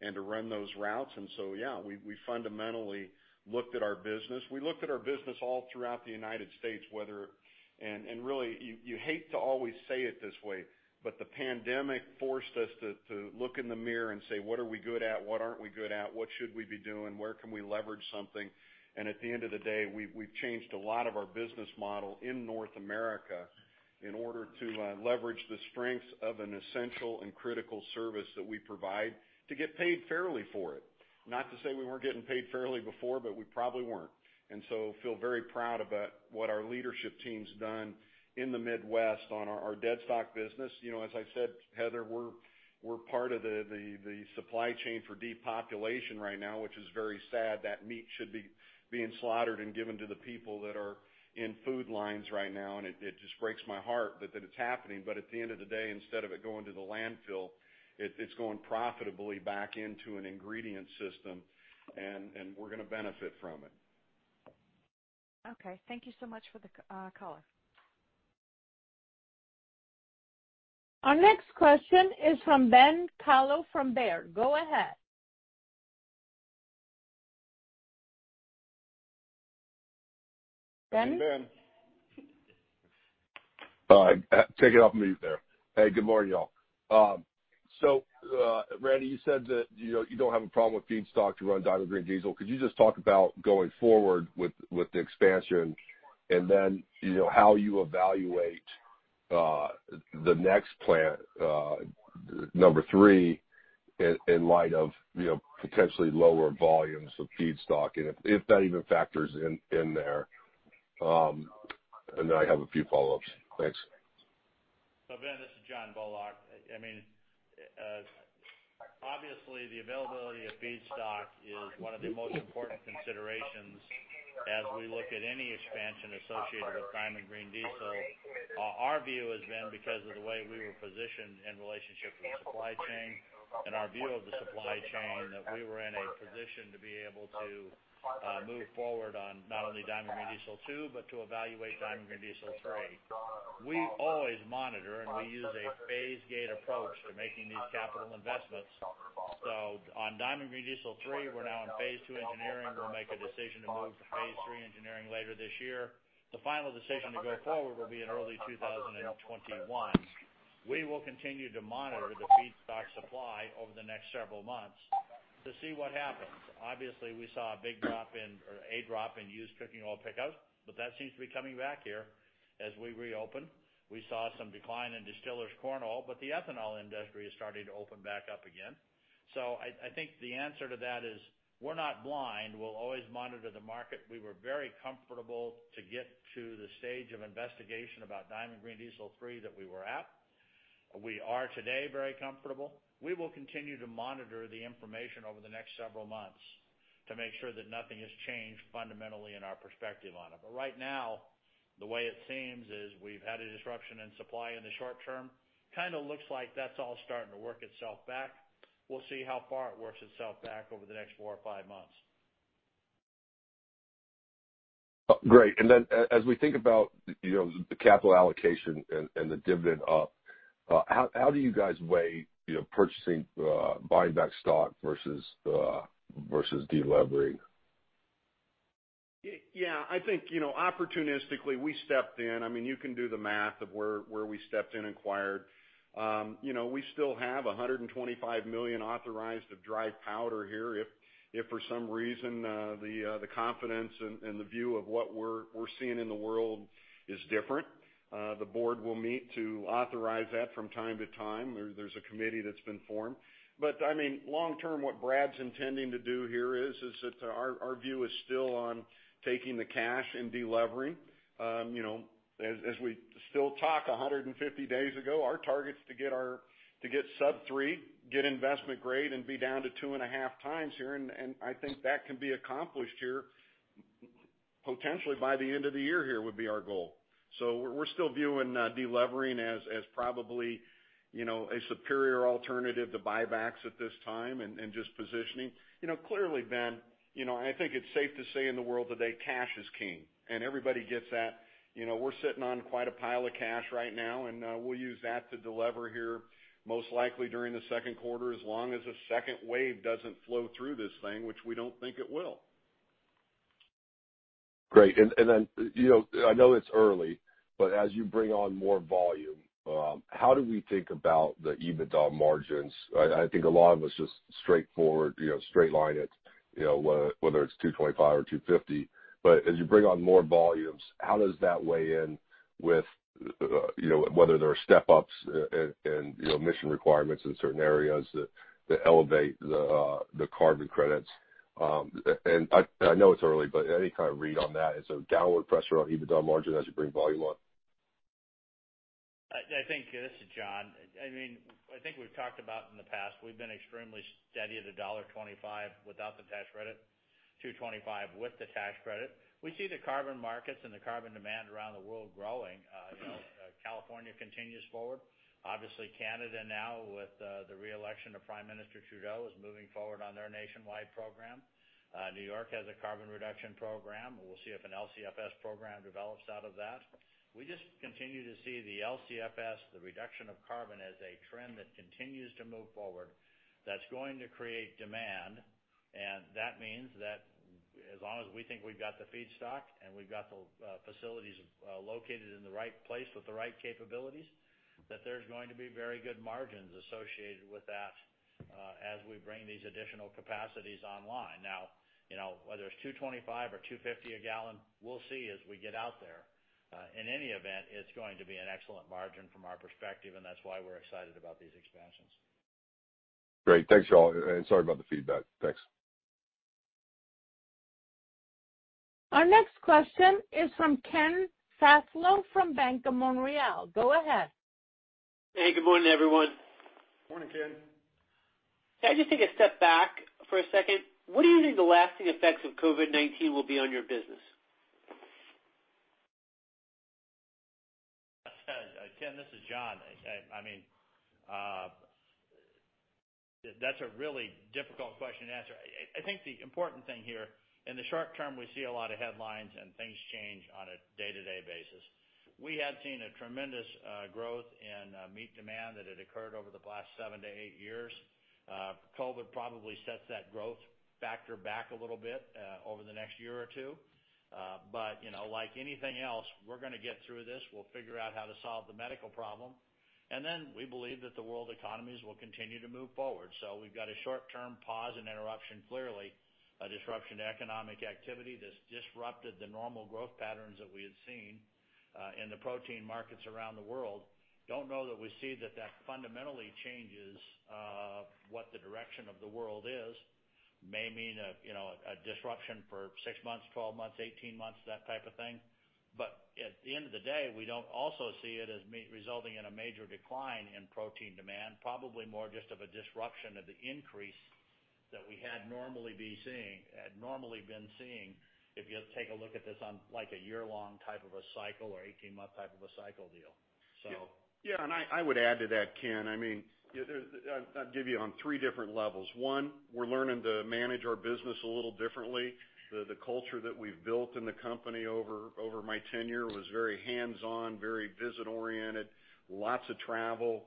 and to run those routes. And so, yeah, we fundamentally looked at our business. We looked at our business all throughout the United States, whether and really, you hate to always say it this way, but the pandemic forced us to look in the mirror and say, "What are we good at? What aren't we good at? What should we be doing? Where can we leverage something?" And at the end of the day, we've changed a lot of our business model in North America in order to leverage the strengths of an essential and critical service that we provide to get paid fairly for it. Not to say we weren't getting paid fairly before, but we probably weren't. And so I feel very proud about what our leadership team's done in the Midwest on our deadstock business. As I said, Heather, we're part of the supply chain for depopulation right now, which is very sad. That meat should be being slaughtered and given to the people that are in food lines right now. And it just breaks my heart that it's happening. But at the end of the day, instead of it going to the landfill, it's going profitably back into an ingredient system, and we're going to benefit from it. Okay. Thank you so much for the color. Our next question is from Ben Kallo from Baird. Go ahead. Ben? Hey, Ben. Take it off mute there. Hey, good morning, y'all. So, Randy, you said that you don't have a problem with feedstock to run Diamond Green Diesel. Could you just talk about going forward with the expansion and then how you evaluate the next plant, number three, in light of potentially lower volumes of feedstock, and if that even factors in there? And then I have a few follow-ups. Thanks. So, Ben, this is John Bullock. I mean, obviously, the availability of feedstock is one of the most important considerations as we look at any expansion associated with Diamond Green Diesel. Our view has been, because of the way we were positioned in relationship to the supply chain and our view of the supply chain, that we were in a position to be able to move forward on not only Diamond Green Diesel 2, but to evaluate Diamond Green Diesel 3. We always monitor, and we use a phase gate approach to making these capital investments. So on Diamond Green Diesel 3, we're now in phase two engineering. We'll make a decision to move to phase three engineering later this year. The final decision to go forward will be in early 2021. We will continue to monitor the feedstock supply over the next several months to see what happens. Obviously, we saw a big drop in or a drop in used cooking oil pickups, but that seems to be coming back here as we reopen. We saw some decline in distillers' corn oil, but the ethanol industry is starting to open back up again, so I think the answer to that is we're not blind. We'll always monitor the market. We were very comfortable to get to the stage of investigation about Diamond Green Diesel 3 that we were at. We are today very comfortable. We will continue to monitor the information over the next several months to make sure that nothing has changed fundamentally in our perspective on it. But right now, the way it seems is we've had a disruption in supply in the short term. Kind of looks like that's all starting to work itself back. We'll see how far it works itself back over the next four or five months. Great. And then as we think about the capital allocation and the dividend up, how do you guys weigh purchasing, buying back stock versus delevering? Yeah. I think opportunistically, we stepped in. I mean, you can do the math of where we stepped in and acquired. We still have $125 million authorized for repurchase here. If for some reason the confidence and the view of what we're seeing in the world is different, the board will meet to authorize that from time to time. There's a committee that's been formed. But I mean, long term, what Brad's intending to do here is that our view is still on taking the cash and delevering. As we still talk 150 days ago, our target's to get sub-three, get investment grade, and be down to two and a half times here. And I think that can be accomplished here, potentially by the end of the year here would be our goal. We're still viewing deploying as probably a superior alternative to buybacks at this time and just positioning. Clearly, Ben, I think it's safe to say in the world today, cash is king. Everybody gets that. We're sitting on quite a pile of cash right now, and we'll use that to deploy here most likely during the second quarter as long as a second wave doesn't flow through this thing, which we don't think it will. Great. And then I know it's early, but as you bring on more volume, how do we think about the EBITDA margins? I think a lot of us just straightforward, straight-line it, whether it's 225 or 250. But as you bring on more volumes, how does that weigh in with whether there are step-ups and emission requirements in certain areas that elevate the carbon credits? And I know it's early, but any kind of read on that? Is there a downward pressure on EBITDA margin as you bring volume on? I think this is John. I mean, I think we've talked about in the past, we've been extremely steady at a $1.25 without the tax credit, $2.25 with the tax credit. We see the carbon markets and the carbon demand around the world growing. California continues forward. Obviously, Canada now, with the reelection of Prime Minister Trudeau, is moving forward on their nationwide program. New York has a carbon reduction program. We'll see if an LCFS program develops out of that. We just continue to see the LCFS, the reduction of carbon, as a trend that continues to move forward. That's going to create demand, and that means that as long as we think we've got the feedstock and we've got the facilities located in the right place with the right capabilities, that there's going to be very good margins associated with that as we bring these additional capacities online. Now, whether it's $2.25-$2.50 a gallon, we'll see as we get out there. In any event, it's going to be an excellent margin from our perspective, and that's why we're excited about these expansions. Great. Thanks, y'all. And sorry about the feedback. Thanks. Our next question is from Ken Zaslow from BMO Capital. Go ahead. Hey, good morning, everyone. Morning, Ken. Can I just take a step back for a second? What do you think the lasting effects of COVID-19 will be on your business? Ken, this is John. I mean, that's a really difficult question to answer. I think the important thing here, in the short term, we see a lot of headlines, and things change on a day-to-day basis. We have seen a tremendous growth in meat demand that had occurred over the last seven to eight years. COVID probably sets that growth factor back a little bit over the next year or two, but like anything else, we're going to get through this. We'll figure out how to solve the medical problem, and then we believe that the world economies will continue to move forward, so we've got a short-term pause and interruption, clearly a disruption to economic activity that's disrupted the normal growth patterns that we had seen in the protein markets around the world. Don't know that we see that that fundamentally changes what the direction of the world is. May mean a disruption for six months, 12 months, 18 months, that type of thing. But at the end of the day, we don't also see it as resulting in a major decline in protein demand, probably more just of a disruption of the increase that we had normally been seeing if you take a look at this on like a year-long type of a cycle or 18-month type of a cycle deal. So. Yeah. And I would add to that, Ken. I mean, I'll give you on three different levels. One, we're learning to manage our business a little differently. The culture that we've built in the company over my tenure was very hands-on, very visit-oriented, lots of travel,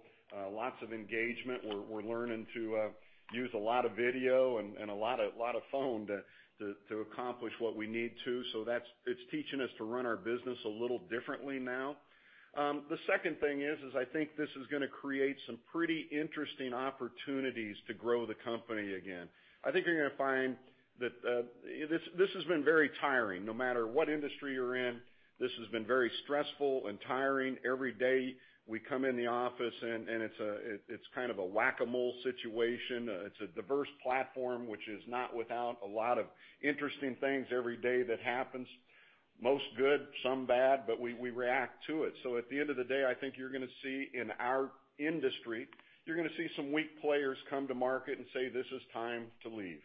lots of engagement. We're learning to use a lot of video and a lot of phone to accomplish what we need to. So it's teaching us to run our business a little differently now. The second thing is, I think this is going to create some pretty interesting opportunities to grow the company again. I think you're going to find that this has been very tiring. No matter what industry you're in, this has been very stressful and tiring. Every day we come in the office, and it's kind of a whack-a-mole situation. It's a diverse platform, which is not without a lot of interesting things every day that happens. Most good, some bad, but we react to it, so at the end of the day, I think you're going to see in our industry, you're going to see some weak players come to market and say, "This is time to leave,"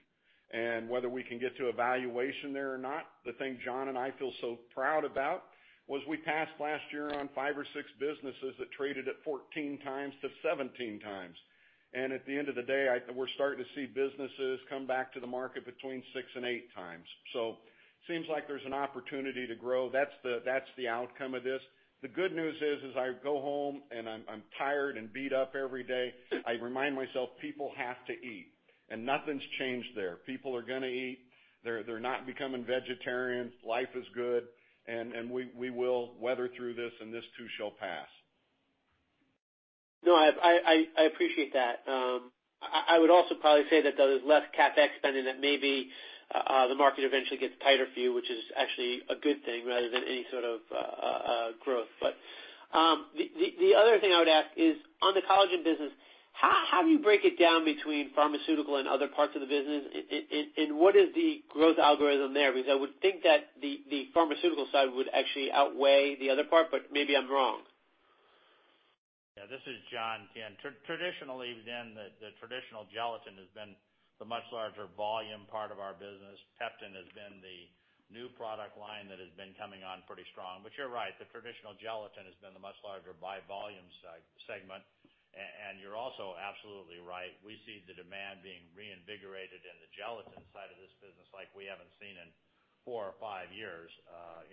and whether we can get to valuation there or not, the thing John and I feel so proud about was we passed last year on five or six businesses that traded at 14-17 times, and at the end of the day, we're starting to see businesses come back to the market between six and eight times, so it seems like there's an opportunity to grow. That's the outcome of this. The good news is, as I go home and I'm tired and beat up every day, I remind myself, "People have to eat." And nothing's changed there. People are going to eat. They're not becoming vegetarian. Life is good. And we will weather through this, and this too shall pass. No, I appreciate that. I would also probably say that there's less CapEx spending that maybe the market eventually gets tighter for you, which is actually a good thing rather than any sort of growth. But the other thing I would ask is, on the collagen business, how do you break it down between pharmaceutical and other parts of the business? And what is the growth algorithm there? Because I would think that the pharmaceutical side would actually outweigh the other part, but maybe I'm wrong. Yeah. This is John. Traditionally, then the traditional gelatin has been the much larger volume part of our business. Peptan has been the new product line that has been coming on pretty strong. But you're right. The traditional gelatin has been the much larger by volume segment. And you're also absolutely right. We see the demand being reinvigorated in the gelatin side of this business like we haven't seen in four or five years.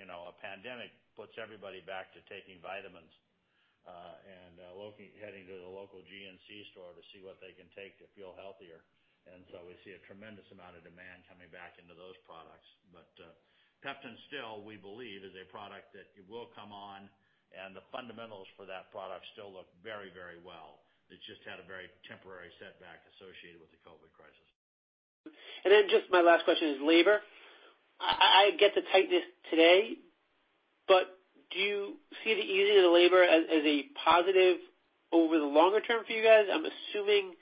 A pandemic puts everybody back to taking vitamins and heading to the local GNC store to see what they can take to feel healthier. And so we see a tremendous amount of demand coming back into those products. But Peptan still, we believe, is a product that will come on, and the fundamentals for that product still look very, very well. It's just had a very temporary setback associated with the COVID crisis. And then just my last question is labor. I get the tightness today, but do you see the easing of the labor as a positive over the longer term for you guys? I'm assuming.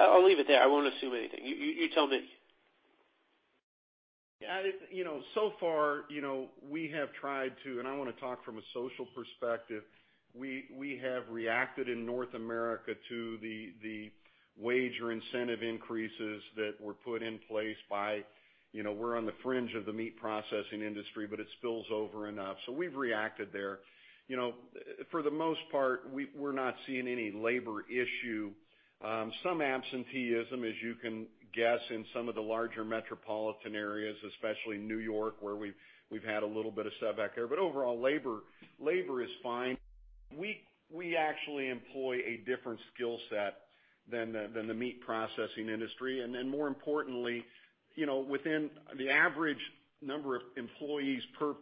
I'll leave it there. I won't assume anything. You tell me. Yeah. So far, we have tried to, and I want to talk from a social perspective. We have reacted in North America to the wage or incentive increases that were put in place by. We're on the fringe of the meat processing industry, but it spills over enough. So we've reacted there. For the most part, we're not seeing any labor issue. Some absenteeism, as you can guess, in some of the larger metropolitan areas, especially New York, where we've had a little bit of setback there. But overall, labor is fine. We actually employ a different skill set than the meat processing industry. And then more importantly, within the average number of employees per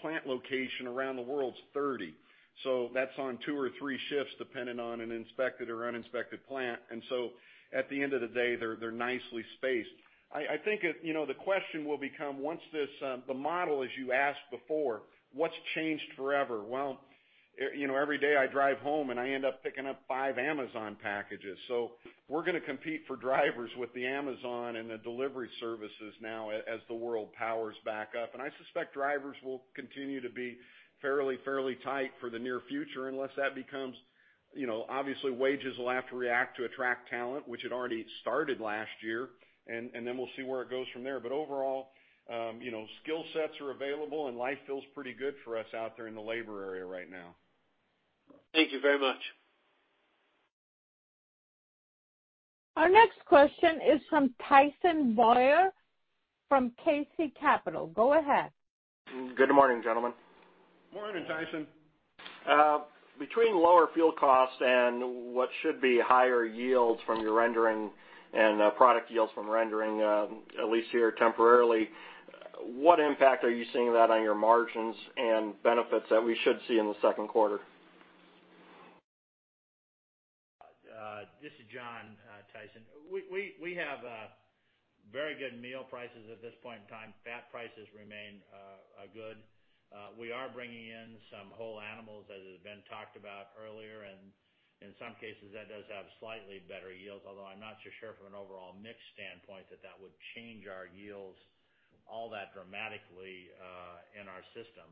plant location around the world is 30. So that's on two or three shifts depending on an inspected or uninspected plant. And so at the end of the day, they're nicely spaced. I think the question will become, once this the model is you asked before, what's changed forever? Well, every day I drive home, and I end up picking up five Amazon packages. So we're going to compete for drivers with the Amazon and the delivery services now as the world powers back up. And I suspect drivers will continue to be fairly, fairly tight for the near future unless that becomes obviously. Wages will have to react to attract talent, which had already started last year. And then we'll see where it goes from there. But overall, skill sets are available, and life feels pretty good for us out there in the labor area right now. Thank you very much. Our next question is from Tyson Bauer from KC Capital. Go ahead. Good morning, gentlemen. Morning, Tyson. Between lower fuel costs and what should be higher yields from your rendering and product yields from rendering, at least here temporarily, what impact are you seeing that on your margins and benefits that we should see in the second quarter? This is John, Tyson. We have very good meal prices at this point in time. Fat prices remain good. We are bringing in some whole animals, as has been talked about earlier, and in some cases, that does have slightly better yields, although I'm not so sure from an overall mix standpoint that that would change our yields all that dramatically in our system.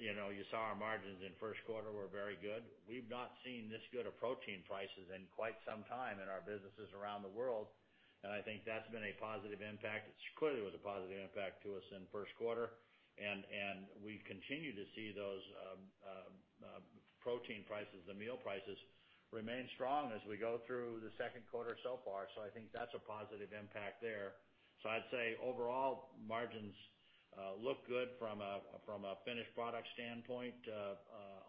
You saw our margins in first quarter were very good. We've not seen this good of protein prices in quite some time in our businesses around the world, and I think that's been a positive impact. It clearly was a positive impact to us in first quarter, and we continue to see those protein prices, the meal prices, remain strong as we go through the second quarter so far, so I think that's a positive impact there. So I'd say overall, margins look good from a finished product standpoint.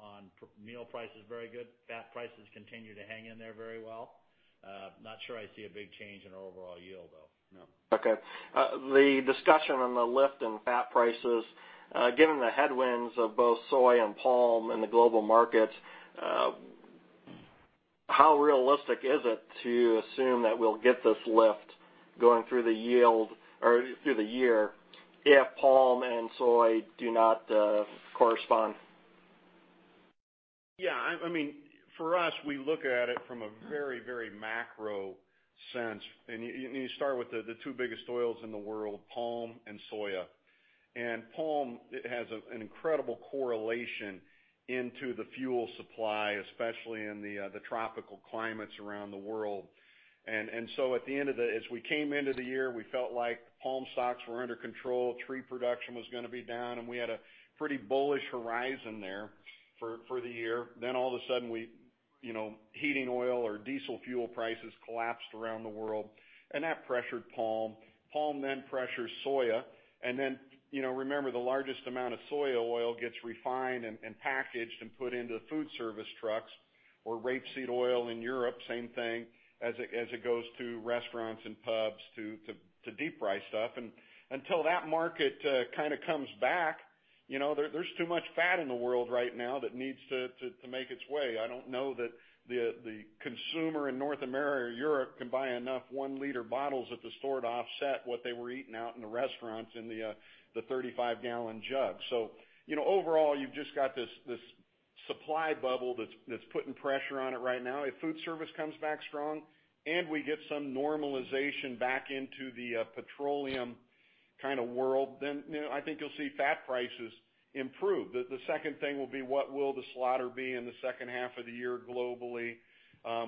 On meal prices, very good. Fat prices continue to hang in there very well. Not sure I see a big change in our overall yield, though. No. Okay. The discussion on the lift in fat prices, given the headwinds of both soy and palm in the global markets, how realistic is it to assume that we'll get this lift going through the year if palm and soy do not correspond? Yeah. I mean, for us, we look at it from a very, very macro sense. And you start with the two biggest oils in the world, palm and soy. And palm has an incredible correlation into the fuel supply, especially in the tropical climates around the world. And so at the end of the year as we came into the year, we felt like palm stocks were under control, tree production was going to be down, and we had a pretty bullish horizon there for the year. Then all of a sudden, heating oil or diesel fuel prices collapsed around the world. And that pressured palm. Palm then pressures soy. And then remember, the largest amount of soy oil gets refined and packaged and put into food service trucks or rapeseed oil in Europe, same thing, as it goes to restaurants and pubs to deep fry stuff. And until that market kind of comes back, there's too much fat in the world right now that needs to make its way. I don't know that the consumer in North America or Europe can buy enough one-liter bottles at the store to offset what they were eating out in the restaurants in the 35-gallon jug. So overall, you've just got this supply bubble that's putting pressure on it right now. If food service comes back strong and we get some normalization back into the petroleum kind of world, then I think you'll see fat prices improve. The second thing will be, what will the slaughter be in the second half of the year globally?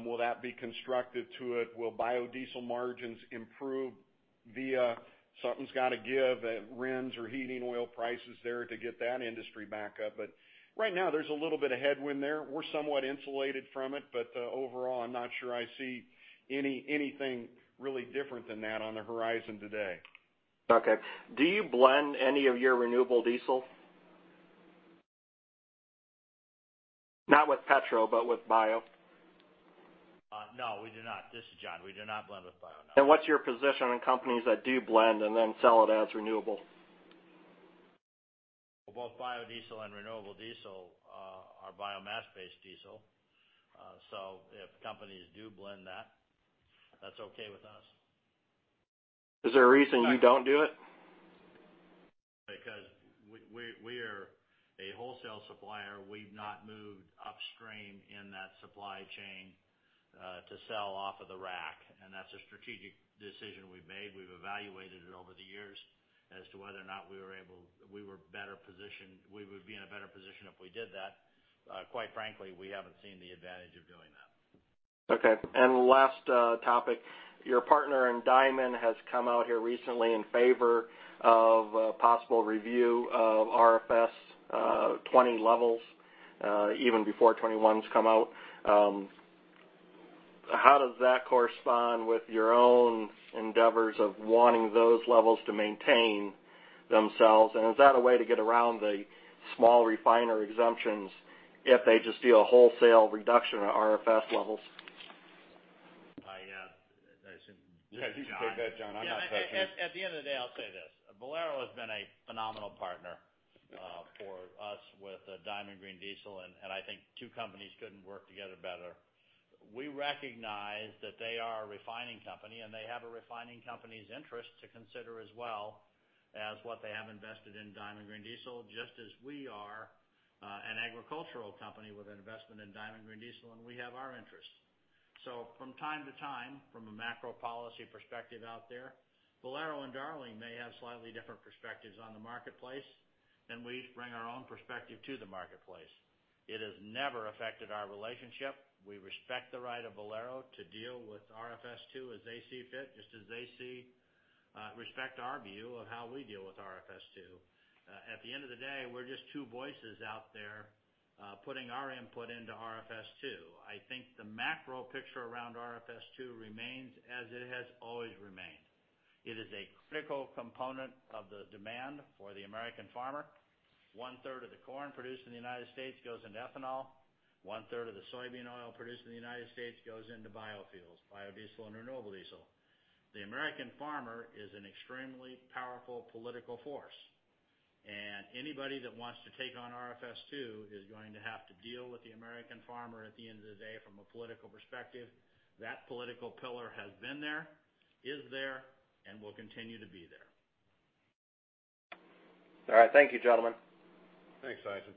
Will that be constructive to it? Will biodiesel margins improve via something's got to give at RINs or heating oil prices there to get that industry back up? But right now, there's a little bit of headwind there. We're somewhat insulated from it. But overall, I'm not sure I see anything really different than that on the horizon today. Okay. Do you blend any of your renewable diesel? Not with petro, but with bio? No, we do not. This is John. We do not blend with bio, no. What's your position on companies that do blend and then sell it as renewable? Both biodiesel and renewable diesel are biomass-based diesel. If companies do blend that, that's okay with us. Is there a reason you don't do it? Because we are a wholesale supplier. We've not moved upstream in that supply chain to sell off of the rack. And that's a strategic decision we've made. We've evaluated it over the years as to whether or not we were better positioned. We would be in a better position if we did that. Quite frankly, we haven't seen the advantage of doing that. Okay. And last topic. Your partner in Diamond has come out here recently in favor of a possible review of RFS 20 levels even before 2021's come out. How does that correspond with your own endeavors of wanting those levels to maintain themselves? And is that a way to get around the small refiner exemptions if they just do a wholesale reduction of RFS levels? Yeah. You should take that, John. I'm not touching it. At the end of the day, I'll say this. Valero has been a phenomenal partner for us with Diamond Green Diesel, and I think two companies couldn't work together better. We recognize that they are a refining company, and they have a refining company's interest to consider as well as what they have invested in Diamond Green Diesel, just as we are an agricultural company with an investment in Diamond Green Diesel, and we have our interests, so from time to time, from a macro policy perspective out there, Valero and Darling may have slightly different perspectives on the marketplace, and we bring our own perspective to the marketplace. It has never affected our relationship. We respect the right of Valero to deal with RFS2 as they see fit, just as they respect our view of how we deal with RFS2. At the end of the day, we're just two voices out there putting our input into RFS2. I think the macro picture around RFS2 remains as it has always remained. It is a critical component of the demand for the American farmer. One-third of the corn produced in the United States goes into ethanol. One-third of the soybean oil produced in the United States goes into biofuels, biodiesel and renewable diesel. The American farmer is an extremely powerful political force, and anybody that wants to take on RFS2 is going to have to deal with the American farmer at the end of the day from a political perspective. That political pillar has been there, is there, and will continue to be there. All right. Thank you, gentlemen. Thanks, Tyson.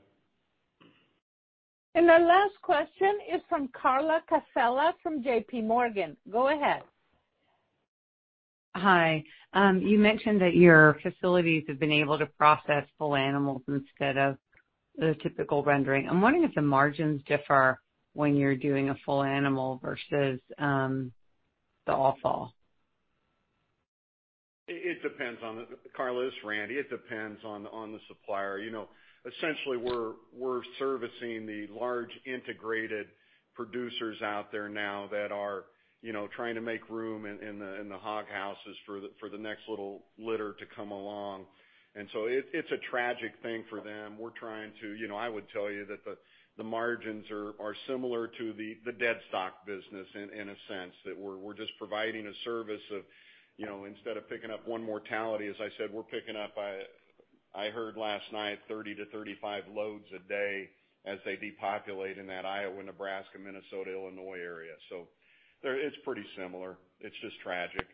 And our last question is from Carla Casella from J.P. Morgan. Go ahead. Hi. You mentioned that your facilities have been able to process full animals instead of the typical rendering. I'm wondering if the margins differ when you're doing a full animal versus the offal? It depends on the cull sows, Randy. It depends on the supplier. Essentially, we're servicing the large integrated producers out there now that are trying to make room in the hoghouses for the next little litter to come along, and so it's a tragic thing for them. I would tell you that the margins are similar to the deadstock business in a sense, that we're just providing a service of instead of picking up one mortality, as I said, we're picking up. I heard last night 30 to 35 loads a day as they depopulate in that Iowa, Nebraska, Minnesota, Illinois area, so it's pretty similar. It's just tragic.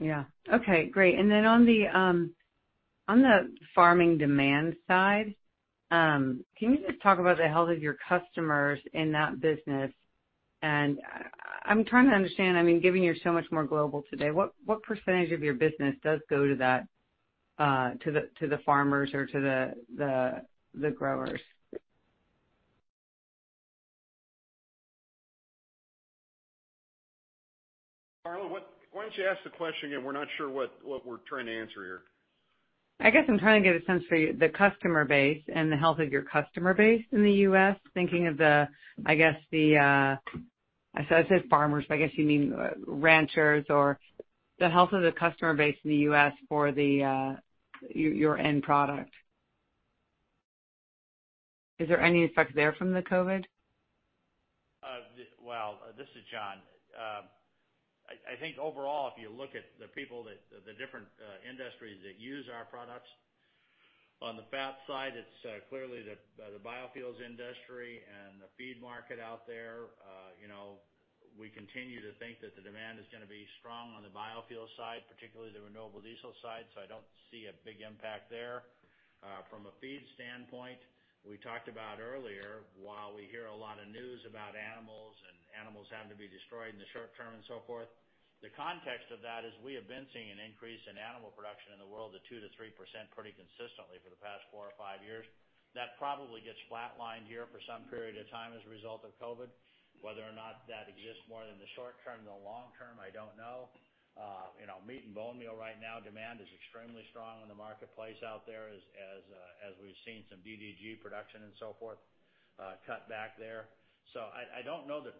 Yeah. Okay. Great. And then on the farming demand side, can you just talk about the health of your customers in that business? And I'm trying to understand, I mean, given you're so much more global today, what percentage of your business does go to the farmers or to the growers? Carla, why don't you ask the question again? We're not sure what we're trying to answer here. I guess I'm trying to get a sense for the customer base and the health of your customer base in the U.S., thinking of the, I guess, the I said farmers, but I guess you mean ranchers or the health of the customer base in the U.S. for your end product. Is there any effect there from the COVID? This is John. I think overall, if you look at the different industries that use our products, on the fat side, it's clearly the biofuels industry and the feed market out there. We continue to think that the demand is going to be strong on the biofuel side, particularly the renewable diesel side. So I don't see a big impact there from a feed standpoint. We talked about earlier, while we hear a lot of news about animals having to be destroyed in the short term and so forth, the context of that is we have been seeing an increase in animal production in the world of 2%-3% pretty consistently for the past four or five years. That probably gets flatlined here for some period of time as a result of COVID. Whether or not that exists more in the short term than the long term, I don't know. Meat and bone meal right now, demand is extremely strong in the marketplace out there as we've seen some DDG production and so forth cut back there. So I don't know that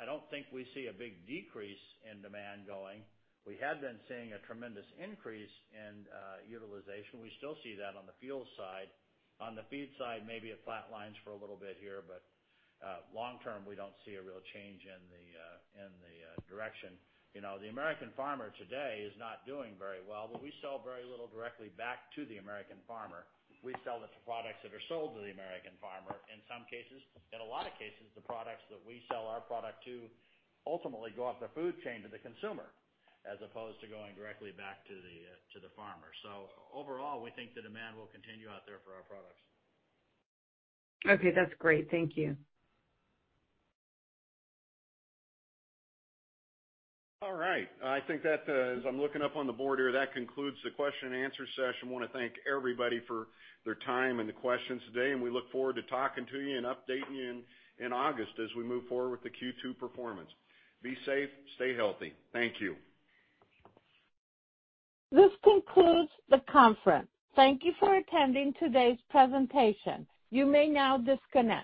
I don't think we see a big decrease in demand going. We have been seeing a tremendous increase in utilization. We still see that on the fuel side. On the feed side, maybe it flatlines for a little bit here. But long term, we don't see a real change in the direction. The American farmer today is not doing very well, but we sell very little directly back to the American farmer. We sell the products that are sold to the American farmer in some cases. In a lot of cases, the products that we sell our product to ultimately go up the food chain to the consumer as opposed to going directly back to the farmer. So overall, we think the demand will continue out there for our products. Okay. That's great. Thank you. All right. I think that, as I'm looking up on the board here, that concludes the question and answer session. I want to thank everybody for their time and the questions today. And we look forward to talking to you and updating you in August as we move forward with the Q2 performance. Be safe. Stay healthy. Thank you. This concludes the conference. Thank you for attending today's presentation. You may now disconnect.